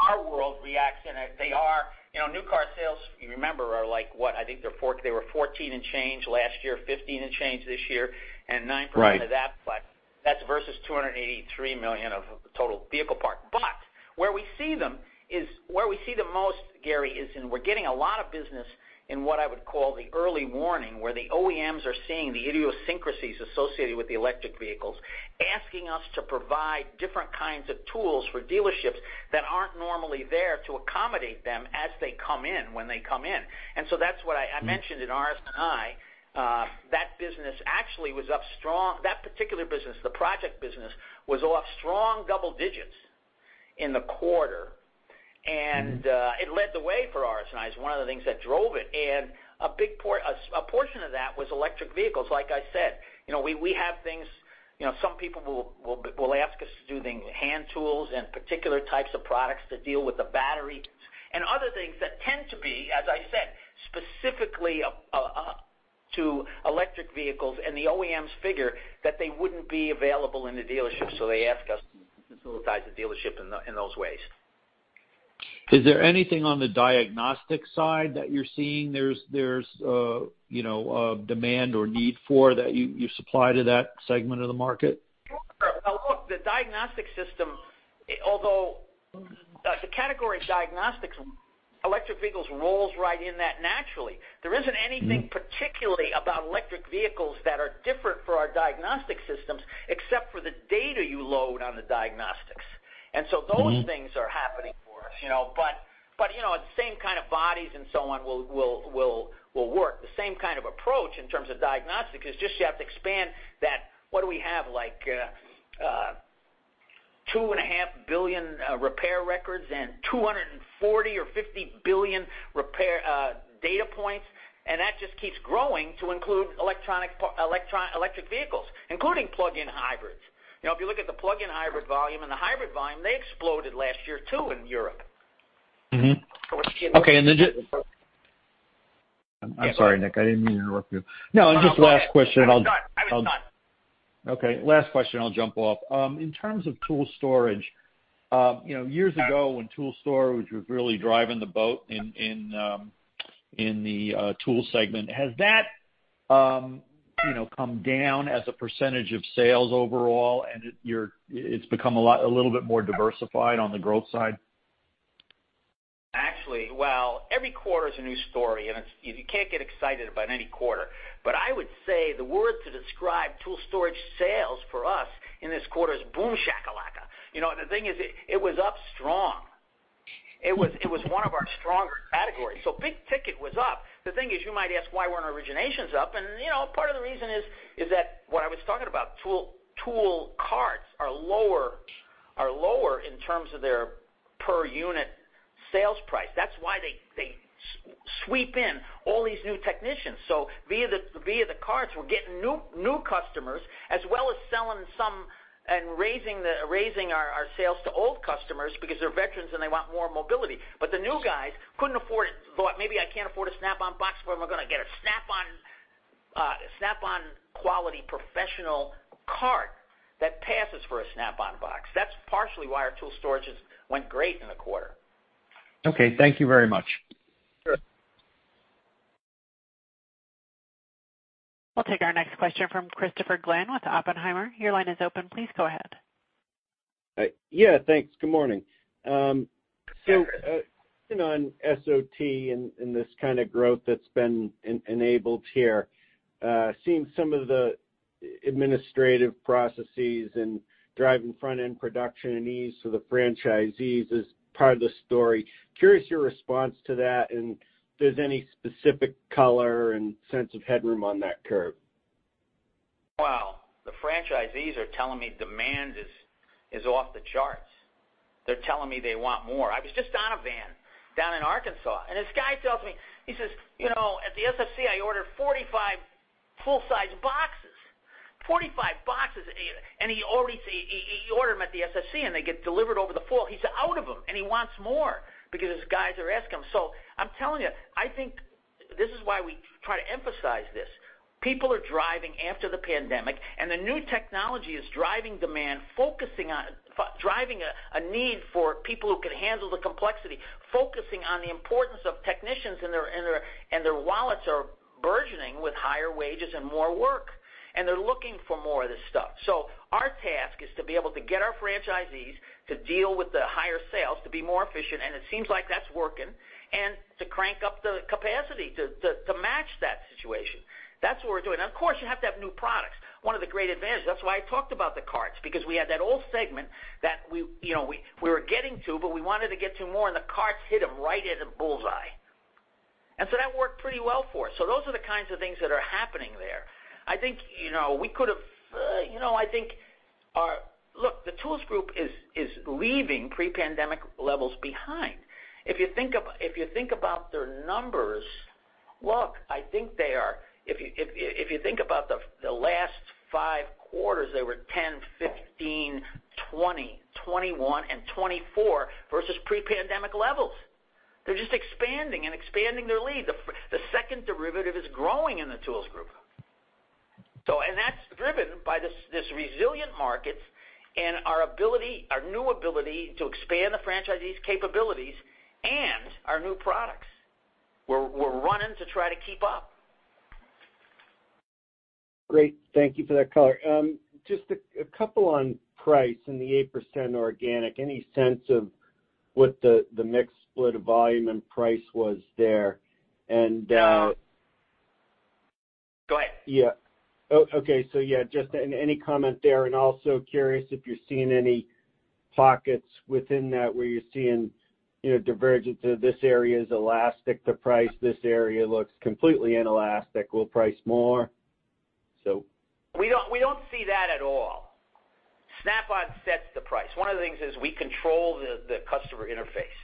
S3: Our world reacts in it. They are, you know, new car sales, if you remember, are like what? I think they were fourteen and change last year, fifteen and change this year, and 9% of that.
S5: Right.
S3: That's versus 283 million of total vehicle park. Where we see the most, Gary, is that we're getting a lot of business in what I would call the early warning, where the OEMs are seeing the idiosyncrasies associated with the electric vehicles, asking us to provide different kinds of tools for dealerships that aren't normally there to accommodate them as they come in, when they come in. That's what I mentioned in RS&I, that business actually was up strong. That particular business, the project business, was up strong double digits in the quarter. It led the way for RS&I. It's one of the things that drove it. A big portion of that was electric vehicles. Like I said, you know, we have things, you know, some people will ask us to do the hand tools and particular types of products that deal with the batteries and other things that tend to be, as I said, specifically to electric vehicles. The OEMs figure that they wouldn't be available in the dealership, so they ask us to facilitate the dealership in those ways.
S5: Is there anything on the diagnostic side that you're seeing there's you know a demand or need for that you supply to that segment of the market?
S3: Well, look, the diagnostic system. Although the category diagnostics, electric vehicles rolls right in that naturally. There isn't anything particularly about electric vehicles that are different for our diagnostic systems, except for the data you load on the diagnostics. Those things are happening for us, you know. You know, the same kind of bodies and so on will work. The same kind of approach in terms of diagnostics. It's just you have to expand that. What do we have? Like, 2.5 billion repair records and 240 or 250 billion repair data points. That just keeps growing to include electric vehicles, including plug-in hybrids. You know, if you look at the plug-in hybrid volume and the hybrid volume, they exploded last year too in Europe.
S5: I'm sorry, Nick. I didn't mean to interrupt you. No, just last question.
S3: I'm done.
S5: Okay. Last question, I'll jump off. In terms of tool storage, you know, years ago, when tool storage was really driving the boat in the tool segment, has that, you know, come down as a percentage of sales overall and it's become a little bit more diversified on the growth side?
S3: Well, every quarter is a new story, and it's you can't get excited about any quarter. I would say the word to describe tool storage sales for us in this quarter is boom shakalaka. You know, the thing is, it was up strong. It was one of our stronger categories. Big ticket was up. The thing is, you might ask, why weren't originations up? You know, part of the reason is that what I was talking about, tool carts are lower in terms of their per unit sales price. That's why they sweep in all these new technicians. Via the carts, we're getting new customers as well as selling some and raising our sales to old customers because they're veterans and they want more mobility. The new guys couldn't afford it. Thought maybe I can't afford a Snap-on box, but I'm gonna get a Snap-on quality professional cart that passes for a Snap-on box. That's partially why our tool storages went great in the quarter.
S5: Okay. Thank you very much.
S3: Sure.
S1: We'll take our next question from Christopher Glynn with Oppenheimer. Your line is open. Please go ahead.
S6: Yeah, thanks. Good morning. You know, on SOT and this kind of growth that's been enabled here, seeing some of the administrative processes and driving front-end production and ease to the franchisees is part of the story. I'm curious about your response to that and if there's any specific color and sense of headroom on that curve.
S3: Well, the franchisees are telling me demand is off the charts. They're telling me they want more. I was just on a van down in Arkansas, and this guy tells me, he says, "You know, at the SFC, I ordered 45 full-size boxes." 45 boxes. He ordered them at the SFC, and they get delivered over the fall. He's out of them, and he wants more because his guys are asking him. I'm telling you, I think this is why we try to emphasize this. People are driving after the pandemic, and the new technology is driving demand, driving a need for people who can handle the complexity, focusing on the importance of technicians, and their wallets are burgeoning with higher wages and more work. They're looking for more of this stuff. Our task is to be able to get our franchisees to deal with the higher sales to be more efficient, and it seems like that's working, and to crank up the capacity to match that situation. That's what we're doing. Of course, you have to have new products, one of the great advantages. That's why I talked about the carts, because we had that old segment that you know, we were getting to, but we wanted to get to more, and the carts hit them right in the bullseye. So that worked pretty well for us. Those are the kinds of things that are happening there. I think you know, we could have you know, I think our. Look, the tools group is leaving pre-pandemic levels behind. If you think about their numbers, look, I think they are. If you think about the last five quarters, they were 10%, 15%, 20%, 21%, and 24% versus pre-pandemic levels. They're just expanding their lead. The second derivative is growing in the Tools Group. That's driven by this resilient market and our new ability to expand the franchisees' capabilities and our new products. We're running to try to keep up.
S6: Great. Thank you for that color. Just a couple on price and the 8% organic. Any sense of what the mix split of volume and price was there?
S3: Go ahead.
S6: Yeah. Okay. Yeah, just any comment there. Also curious if you're seeing any pockets within that where you're seeing, you know, divergence of this area is elastic to price, this area looks completely inelastic, we'll price more.
S3: We don't see that at all. Snap-on sets the price. One of the things is we control the customer interface.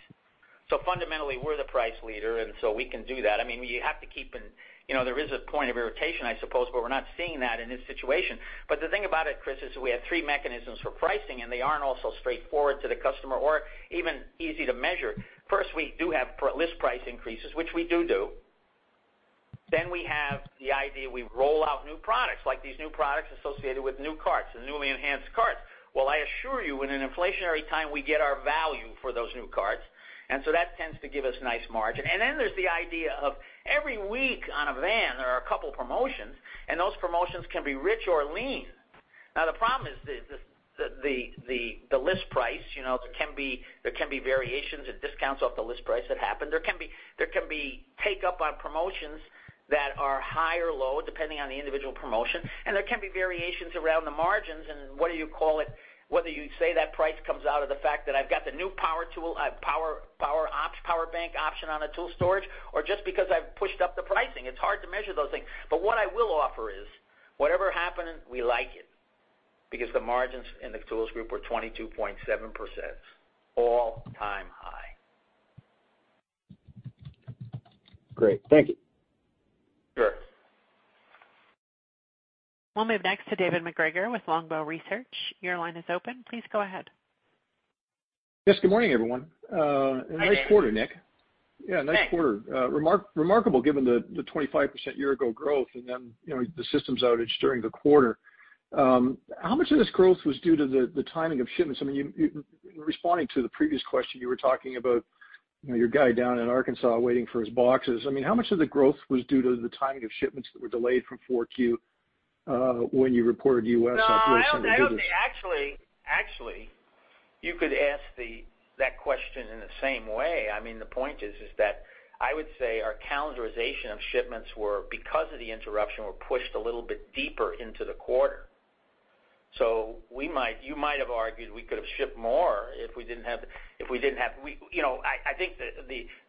S3: Fundamentally, we're the price leader, and so we can do that. I mean, you have to keep in. You know, there is a point of irritation, I suppose, but we're not seeing that in this situation. The thing about it, Chris, is we have three mechanisms for pricing, and they aren't all so straightforward to the customer or even easy to measure. First, we do have list price increases, which we do. Then we have the idea we roll out new products, like these new products associated with new carts, the newly enhanced carts. Well, I assure you, in an inflationary time, we get our value for those new carts, and so that tends to give us nice margin. There's the idea of every week on a van, there are a couple promotions, and those promotions can be rich or lean. Now the problem is the list price, you know, there can be variations and discounts off the list price that happen. There can be take up on promotions that are high or low, depending on the individual promotion. There can be variations around the margins and what do you call it, whether you say that price comes out of the fact that I've got the new power tool, power bank option on a tool storage or just because I've pushed up the pricing. It's hard to measure those things. What I will offer is whatever happens, we like it because the margins in the Tools Group were 22.7%, all-time high.
S6: Great. Thank you.
S3: Sure.
S1: We'll move next to David MacGregor with Longbow Research. Your line is open. Please go ahead.
S7: Yes, good morning, everyone.
S3: Good morning.
S7: Nice quarter, Nick. Yeah, nice quarter. Remarkable given the 25% year-ago growth and then, you know, the systems outage during the quarter. How much of this growth was due to the timing of shipments? I mean, responding to the previous question, you were talking about, you know, your guy down in Arkansas waiting for his boxes. I mean, how much of the growth was due to the timing of shipments that were delayed from Q4? When you reported U.S. operations business-
S3: Actually, you could ask that question in the same way. I mean, the point is that I would say our calendarization of shipments were pushed a little bit deeper into the quarter because of the interruption. You might have argued we could have shipped more if we didn't have. You know, I think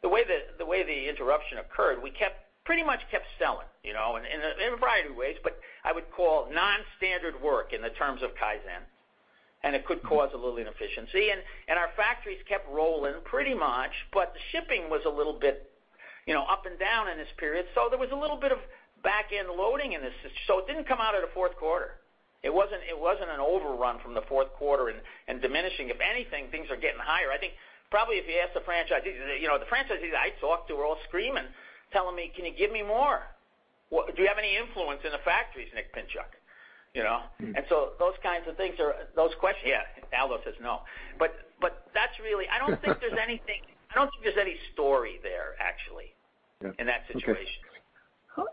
S3: the way the interruption occurred, we pretty much kept selling, you know, in a variety of ways, but I would call non-standard work in the terms of Kaizen, and it could cause a little inefficiency. Our factories kept rolling pretty much, but the shipping was a little bit, you know, up and down in this period. There was a little bit of back-end loading in this. It didn't come out of the fourth quarter. It wasn't an overrun from the fourth quarter and diminishing. If anything, things are getting higher. I think probably if you ask the franchisees, you know, the franchisees I talk to are all screaming, telling me, "Can you give me more? What do you have any influence in the factories, Nick Pinchuk?" You know?
S7: Mm-hmm.
S3: Those kinds of things are those questions. Yeah. Aldo says no. I don't think there's any story there, actually.
S7: Yeah. Okay,
S3: in that situation.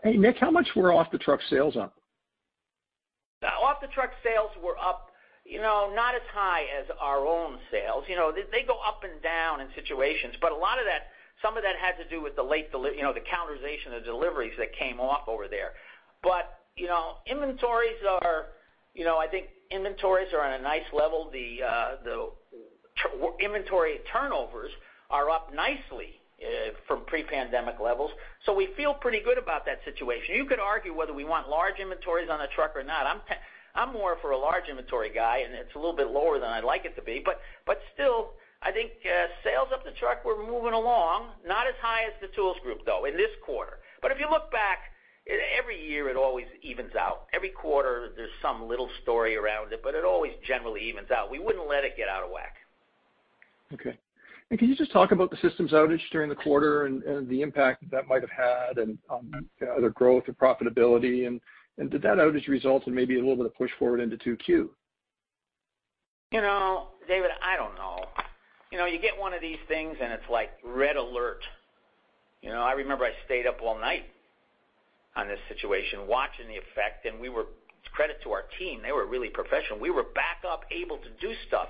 S7: Hey, Nick, how much were off-the-truck sales up?
S3: Off-the-truck sales were up, you know, not as high as our own sales. You know, they go up and down in situations. Some of that had to do with you know, the calendarization of deliveries that came off over there. You know, inventories are, you know, I think inventories are on a nice level. Inventory turnovers are up nicely from pre-pandemic levels, so we feel pretty good about that situation. You could argue whether we want large inventories on the truck or not. I'm more for a large inventory guy, and it's a little bit lower than I'd like it to be. Still, I think sales off the truck were moving along, not as high as the Tools Group, though, in this quarter. If you look back, every year it always evens out. Every quarter there's some little story around it, but it always generally evens out. We wouldn't let it get out of whack.
S7: Okay. Can you just talk about the systems outage during the quarter and the impact that might have had and on either growth or profitability? Did that outage result in maybe a little bit of push forward into 2Q?
S3: You know, David, I don't know. You know, you get one of these things and it's like red alert. You know? I remember I stayed up all night on this situation watching the effect, and credit to our team, they were really professional. We were back up able to do stuff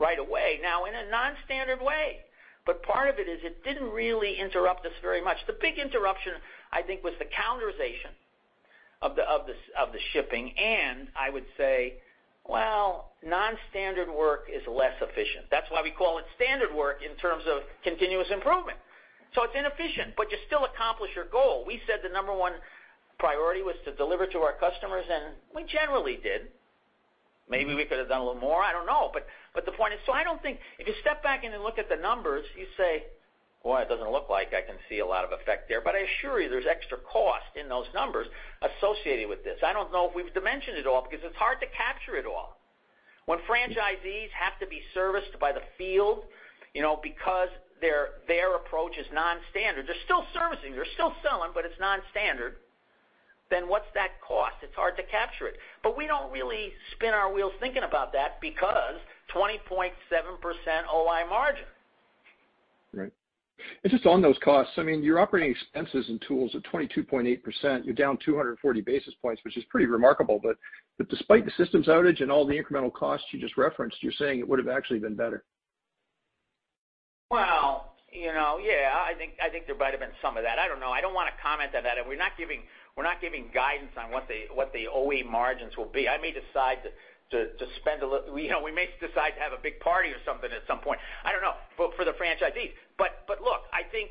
S3: right away. Now in a non-standard way, but part of it is it didn't really interrupt us very much. The big interruption, I think, was the calendarization of the shipping. I would say, well, non-standard work is less efficient. That's why we call it standard work in terms of continuous improvement. It's inefficient, but you still accomplish your goal. We said the number one priority was to deliver to our customers, and we generally did. Maybe we could have done a little more, I don't know. The point is, I don't think. If you step back and then look at the numbers, you say, "Well, it doesn't look like I can see a lot of effect there." I assure you, there's extra cost in those numbers associated with this. I don't know if we've dimensioned it all because it's hard to capture it all. When franchisees have to be serviced by the field, you know, because their approach is non-standard. They're still servicing, they're still selling, but it's non-standard. Then what's that cost? It's hard to capture it. We don't really spin our wheels thinking about that because 20.7% OI margin.
S7: Right. Just on those costs, I mean, your operating expenses and tools are 22.8%. You're down 240 basis points, which is pretty remarkable. Despite the systems outage and all the incremental costs you just referenced, you're saying it would've actually been better.
S3: Well, you know, yeah. I think there might have been some of that. I don't know. I don't wanna comment on that. We're not giving guidance on what the OI margins will be. I may decide to spend a little. You know, we may decide to have a big party or something at some point, I don't know, for the franchisees. But look, I think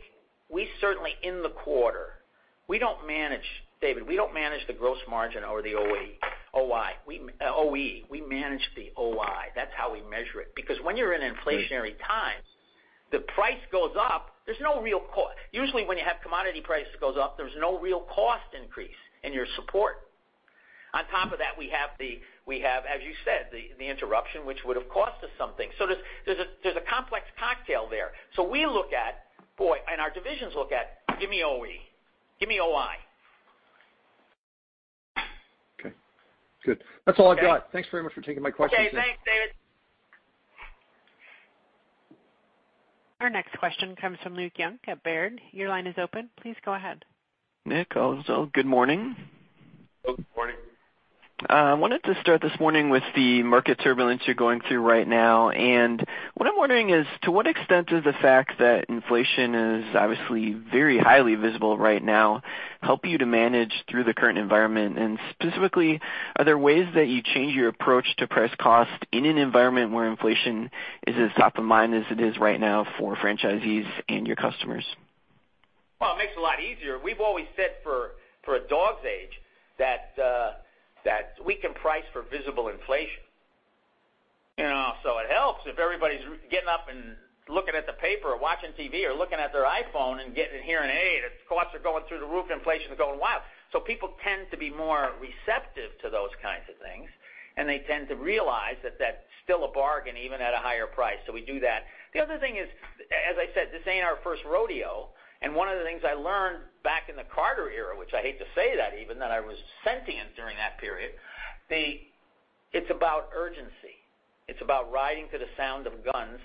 S3: we certainly in the quarter. David, we don't manage the gross margin or the OI. We manage the OI. That's how we measure it. Because when you're in inflationary times, the price goes up, there's no real co- usually, when you have commodity prices goes up, there's no real cost increase in your support. On top of that, we have, as you said, the interruption, which would've cost us something. There's a complex cocktail there. We look at, boy, and our divisions look at, "Give me OI. Give me OI.
S7: Okay, good. That's all I've got.
S3: Okay.
S7: Thanks very much for taking my questions.
S3: Okay. Thanks, David.
S1: Our next question comes from Luke Junk at Baird. Your line is open. Please go ahead.
S8: Nick and Aldo, good morning.
S3: Good morning.
S8: I wanted to start this morning with the market turbulence you're going through right now. What I'm wondering is, to what extent does the fact that inflation is obviously very highly visible right now help you to manage through the current environment? Specifically, are there ways that you change your approach to pricing in an environment where inflation is as top of mind as it is right now for franchisees and your customers?
S3: Well, it makes it a lot easier. We've always said for a dog's age that we can price for visible inflation. You know? It helps if everybody's getting up and looking at the paper or watching TV or looking at their iPhone and hearing, "Hey, the costs are going through the roof. Inflation's going wild." People tend to be more receptive to those kinds of things, and they tend to realize that that's still a bargain, even at a higher price. We do that. The other thing is, as I said, this ain't our first rodeo. One of the things I learned back in the Carter era, which I hate to say even I was sentient during that period. It's about urgency. It's about riding to the sound of guns.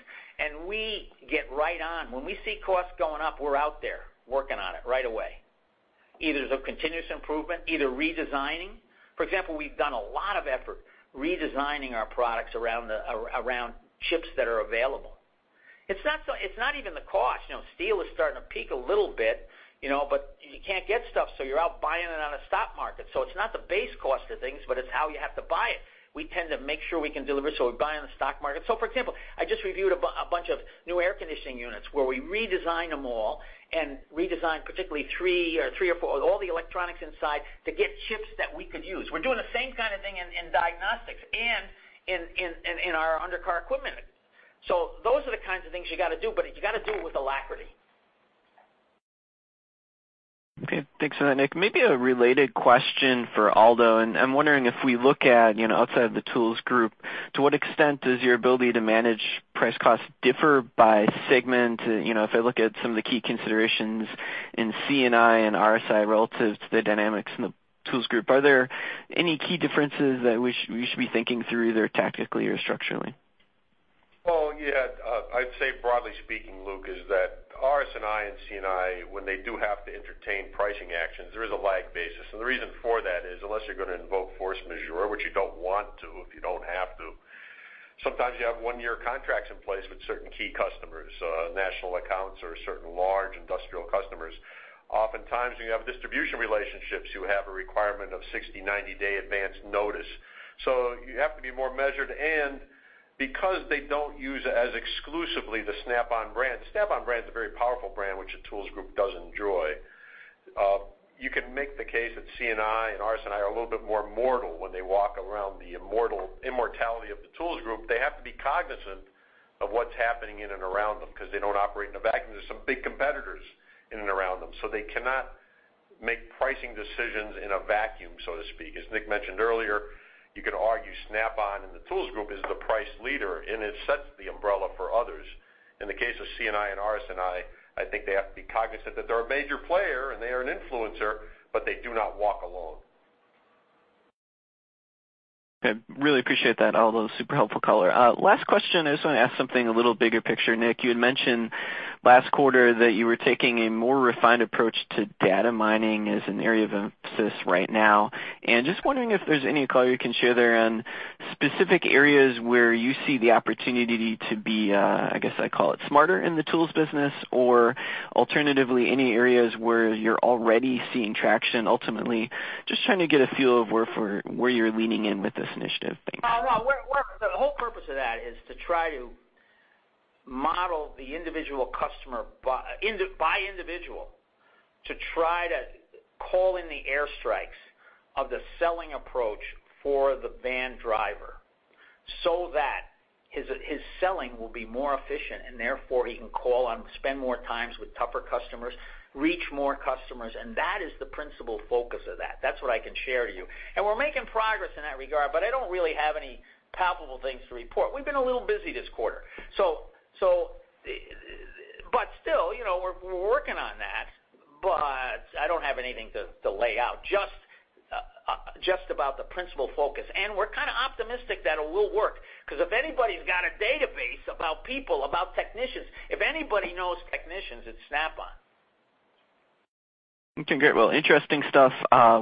S3: We get right on. When we see costs going up, we're out there working on it right away, either the continuous improvement or redesigning. For example, we've done a lot of effort redesigning our products around chips that are available. It's not even the cost. You know, steel is starting to peak a little bit, you know, but you can't get stuff, so you're out buying it on a spot market. It's not the base cost of things, but it's how you have to buy it. We tend to make sure we can deliver, so we buy on the spot market. For example, I just reviewed a bunch of new air conditioning units where we redesigned them all and redesigned particularly three or four with all the electronics inside to get chips that we could use. We're doing the same kind of thing in diagnostics and in our undercar equipment. Those are the kinds of things you got to do, but you got to do it with alacrity.
S8: Okay. Thanks for that, Nick. Maybe a related question for Aldo, and I'm wondering if we look at, you know, outside of the tools group, to what extent does your ability to manage price costs differ by segment? You know, if I look at some of the key considerations in C&I and RS&I relative to the dynamics in the tools group, are there any key differences that we should be thinking through, either tactically or structurally?
S4: Well, yeah. I'd say broadly speaking, Luke, is that RS&I and C&I, when they do have to entertain pricing actions, there is a lag basis. The reason for that is unless you're gonna invoke force majeure, which you don't want to if you don't have to, sometimes you have one-year contracts in place with certain key customers, national accounts or certain large industrial customers. Oftentimes, when you have distribution relationships, you have a requirement of 60, 90-day advance notice. You have to be more measured. Because they don't use as exclusively the Snap-on brand, Snap-on brand is a very powerful brand, which the tools group does enjoy. You can make the case that C&I and RS&I are a little bit more mortal when they walk around the immortality of the tools group. They have to be cognizant of what's happening in and around them because they don't operate in a vacuum. There's some big competitors in and around them, so they cannot make pricing decisions in a vacuum, so to speak. As Nick mentioned earlier, you could argue Snap-on in the tools group is the price leader, and it sets the umbrella for others. In the case of C&I and RS&I think they have to be cognizant that they're a major player and they are an influencer, but they do not walk alone.
S8: Okay. Really appreciate that, Aldo. Super helpful color. Last question, I just wanna ask something a little bigger picture. Nick, you had mentioned last quarter that you were taking a more refined approach to data mining as an area of emphasis right now. Just wondering if there's any color you can share there on specific areas where you see the opportunity to be, I guess I'd call it smarter in the tools business, or alternatively, any areas where you're already seeing traction ultimately. Just trying to get a feel of where you're leaning in with this initiative. Thanks.
S3: The whole purpose of that is to try to model the individual customer by individual to try to call in the airstrikes of the selling approach for the van driver so that his selling will be more efficient, and therefore, he can call on, spend more times with tougher customers, reach more customers, and that is the principal focus of that. That's what I can share to you. We're making progress in that regard, but I don't really have any palpable things to report. We've been a little busy this quarter. Still, you know, we're working on that, but I don't have anything to lay out, just about the principal focus. We're kind of optimistic that it will work because if anybody's got a database about people, about technicians, if anybody knows technicians, it's Snap-on.
S8: Okay, great. Well, interesting stuff.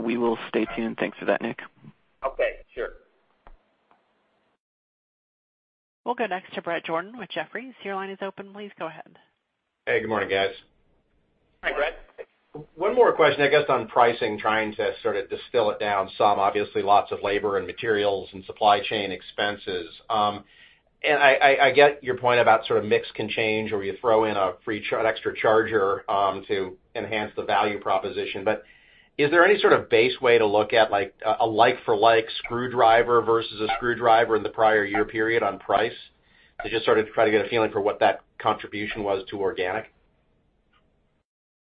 S8: We will stay tuned. Thanks for that, Nick.
S3: Okay, sure.
S1: We'll go next to Bret Jordan with Jefferies. Your line is open. Please go ahead.
S9: Hey, good morning, guys.
S3: Hi, Bret.
S9: One more question, I guess, on pricing, trying to sort of distill it down some. Obviously, lots of labor and materials and supply chain expenses. I get your point about sort of mix can change, or you throw in a free extra charger to enhance the value proposition. But is there any sort of base way to look at a like-for-like screwdriver versus a screwdriver in the prior year period on price to just sort of try to get a feeling for what that contribution was to organic.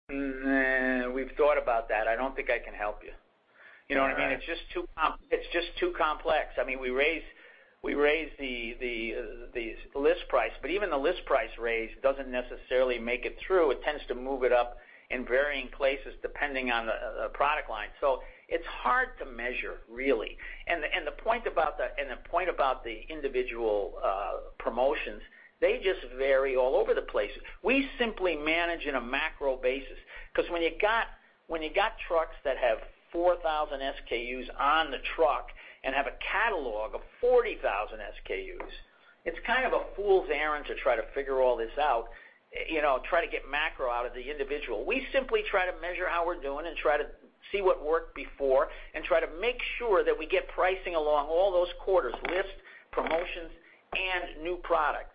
S3: We've thought about that. I don't think I can help you. You know what I mean?
S9: All right.
S3: It's just too complex. I mean, we raise the list price, but even the list price raise doesn't necessarily make it through. It tends to move it up in varying places depending on the product line. It's hard to measure, really. The point about the individual promotions, they just vary all over the place. We simply manage in a macro basis because when you got trucks that have 4,000 SKUs on the truck and have a catalog of 40,000 SKUs, it's kind of a fool's errand to try to figure all this out, you know, try to get macro out of the individual. We simply try to measure how we're doing and try to see what worked before and try to make sure that we get pricing along all those quarters, list, promotions, and new product,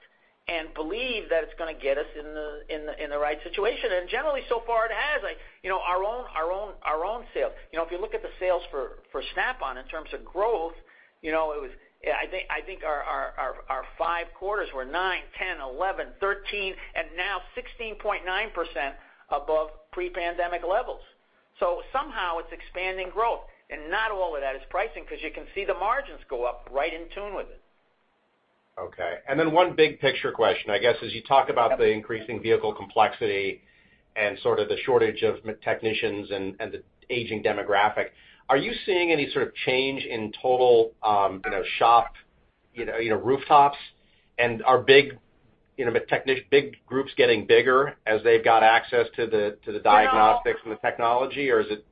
S3: and believe that it's gonna get us in the right situation. Generally, so far it has. Like, you know, our own sales. You know, if you look at the sales for Snap-on in terms of growth, you know, it was. I think our five quarters were 9, 10, 11, 13, and now 16.9% above pre-pandemic levels. Somehow it's expanding growth, and not all of that is pricing because you can see the margins go up right in tune with it.
S9: Okay. One big picture question. I guess as you talk about the increasing vehicle complexity and sort of the shortage of technicians and the aging demographic, are you seeing any sort of change in total, you know, shop rooftops? Are big, you know, big groups getting bigger as they've got access to the diagnostics-
S3: You know.
S9: The technology, or is it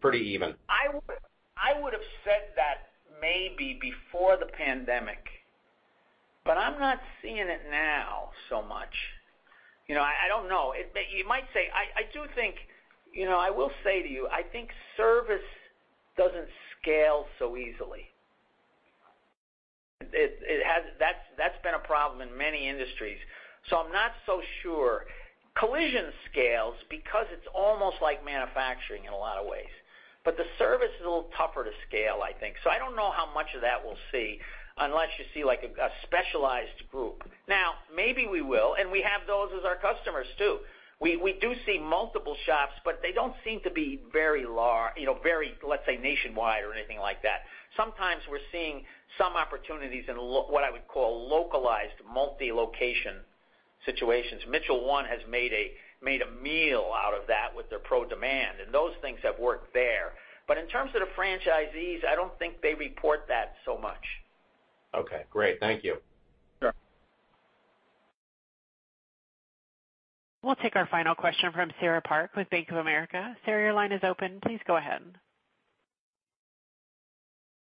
S9: pretty even?
S3: I would've said that maybe before the pandemic, but I'm not seeing it now so much. You know, I don't know. You might say I do think, you know, I will say to you, I think service doesn't scale so easily. It has. That's been a problem in many industries. I'm not so sure. Collision scales because it's almost like manufacturing in a lot of ways. The service is a little tougher to scale, I think. I don't know how much of that we'll see unless you see like a specialized group. Now, maybe we will, and we have those as our customers too. We do see multiple shops, but they don't seem to be very you know, very, let's say, nationwide or anything like that. Sometimes we're seeing some opportunities in what I would call localized multi-location situations. Mitchell 1 has made a meal out of that with their ProDemand, and those things have worked there. In terms of the franchisees, I don't think they report that so much.
S9: Okay, great. Thank you.
S3: Sure.
S1: We'll take our final question from Sarah Park with Bank of America. Sarah, your line is open. Please go ahead.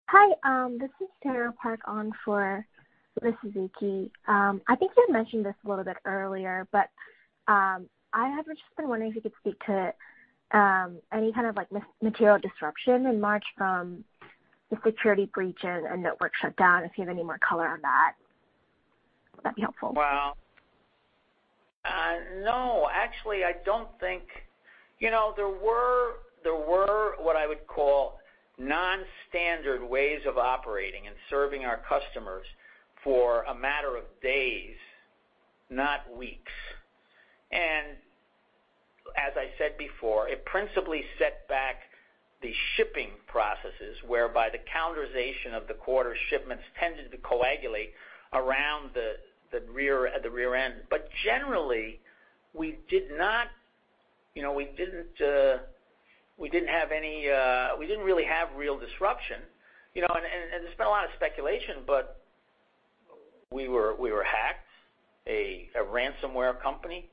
S10: Hi, this is Sarah Park on for Elizabeth Suzuki. I think you had mentioned this a little bit earlier, but I have just been wondering if you could speak to any kind of like material disruption in March from the security breach and network shutdown, if you have any more color on that. That'd be helpful.
S3: No. Actually, I don't think. You know, there were what I would call non-standard ways of operating and serving our customers for a matter of days, not weeks. As I said before, it principally set back the shipping processes whereby the calendarization of the quarter shipments tended to coagulate around the rear, at the rear end. Generally, we did not, you know, we didn't have any real disruption, you know. There's been a lot of speculation, but we were hacked, a ransomware company.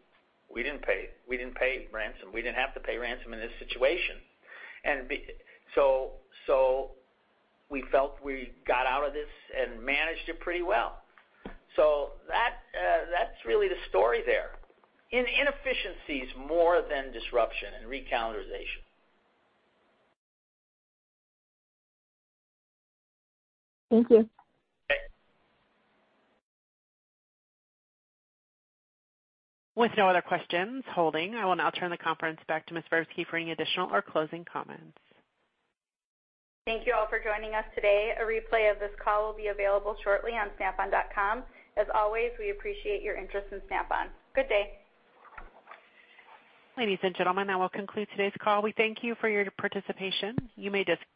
S3: We didn't pay ransom. We didn't have to pay ransom in this situation. We felt we got out of this and managed it pretty well. That's really the story there. In inefficiencies more than disruption and recalendarization.
S10: Thank you.
S1: With no other questions holding, I will now turn the conference back to Ms. Verbsky for any additional or closing comments.
S2: Thank you all for joining us today. A replay of this call will be available shortly on snapon.com. As always, we appreciate your interest in Snap-on. Good day.
S1: Ladies and gentlemen, that will conclude today's call. We thank you for your participation. You may dis-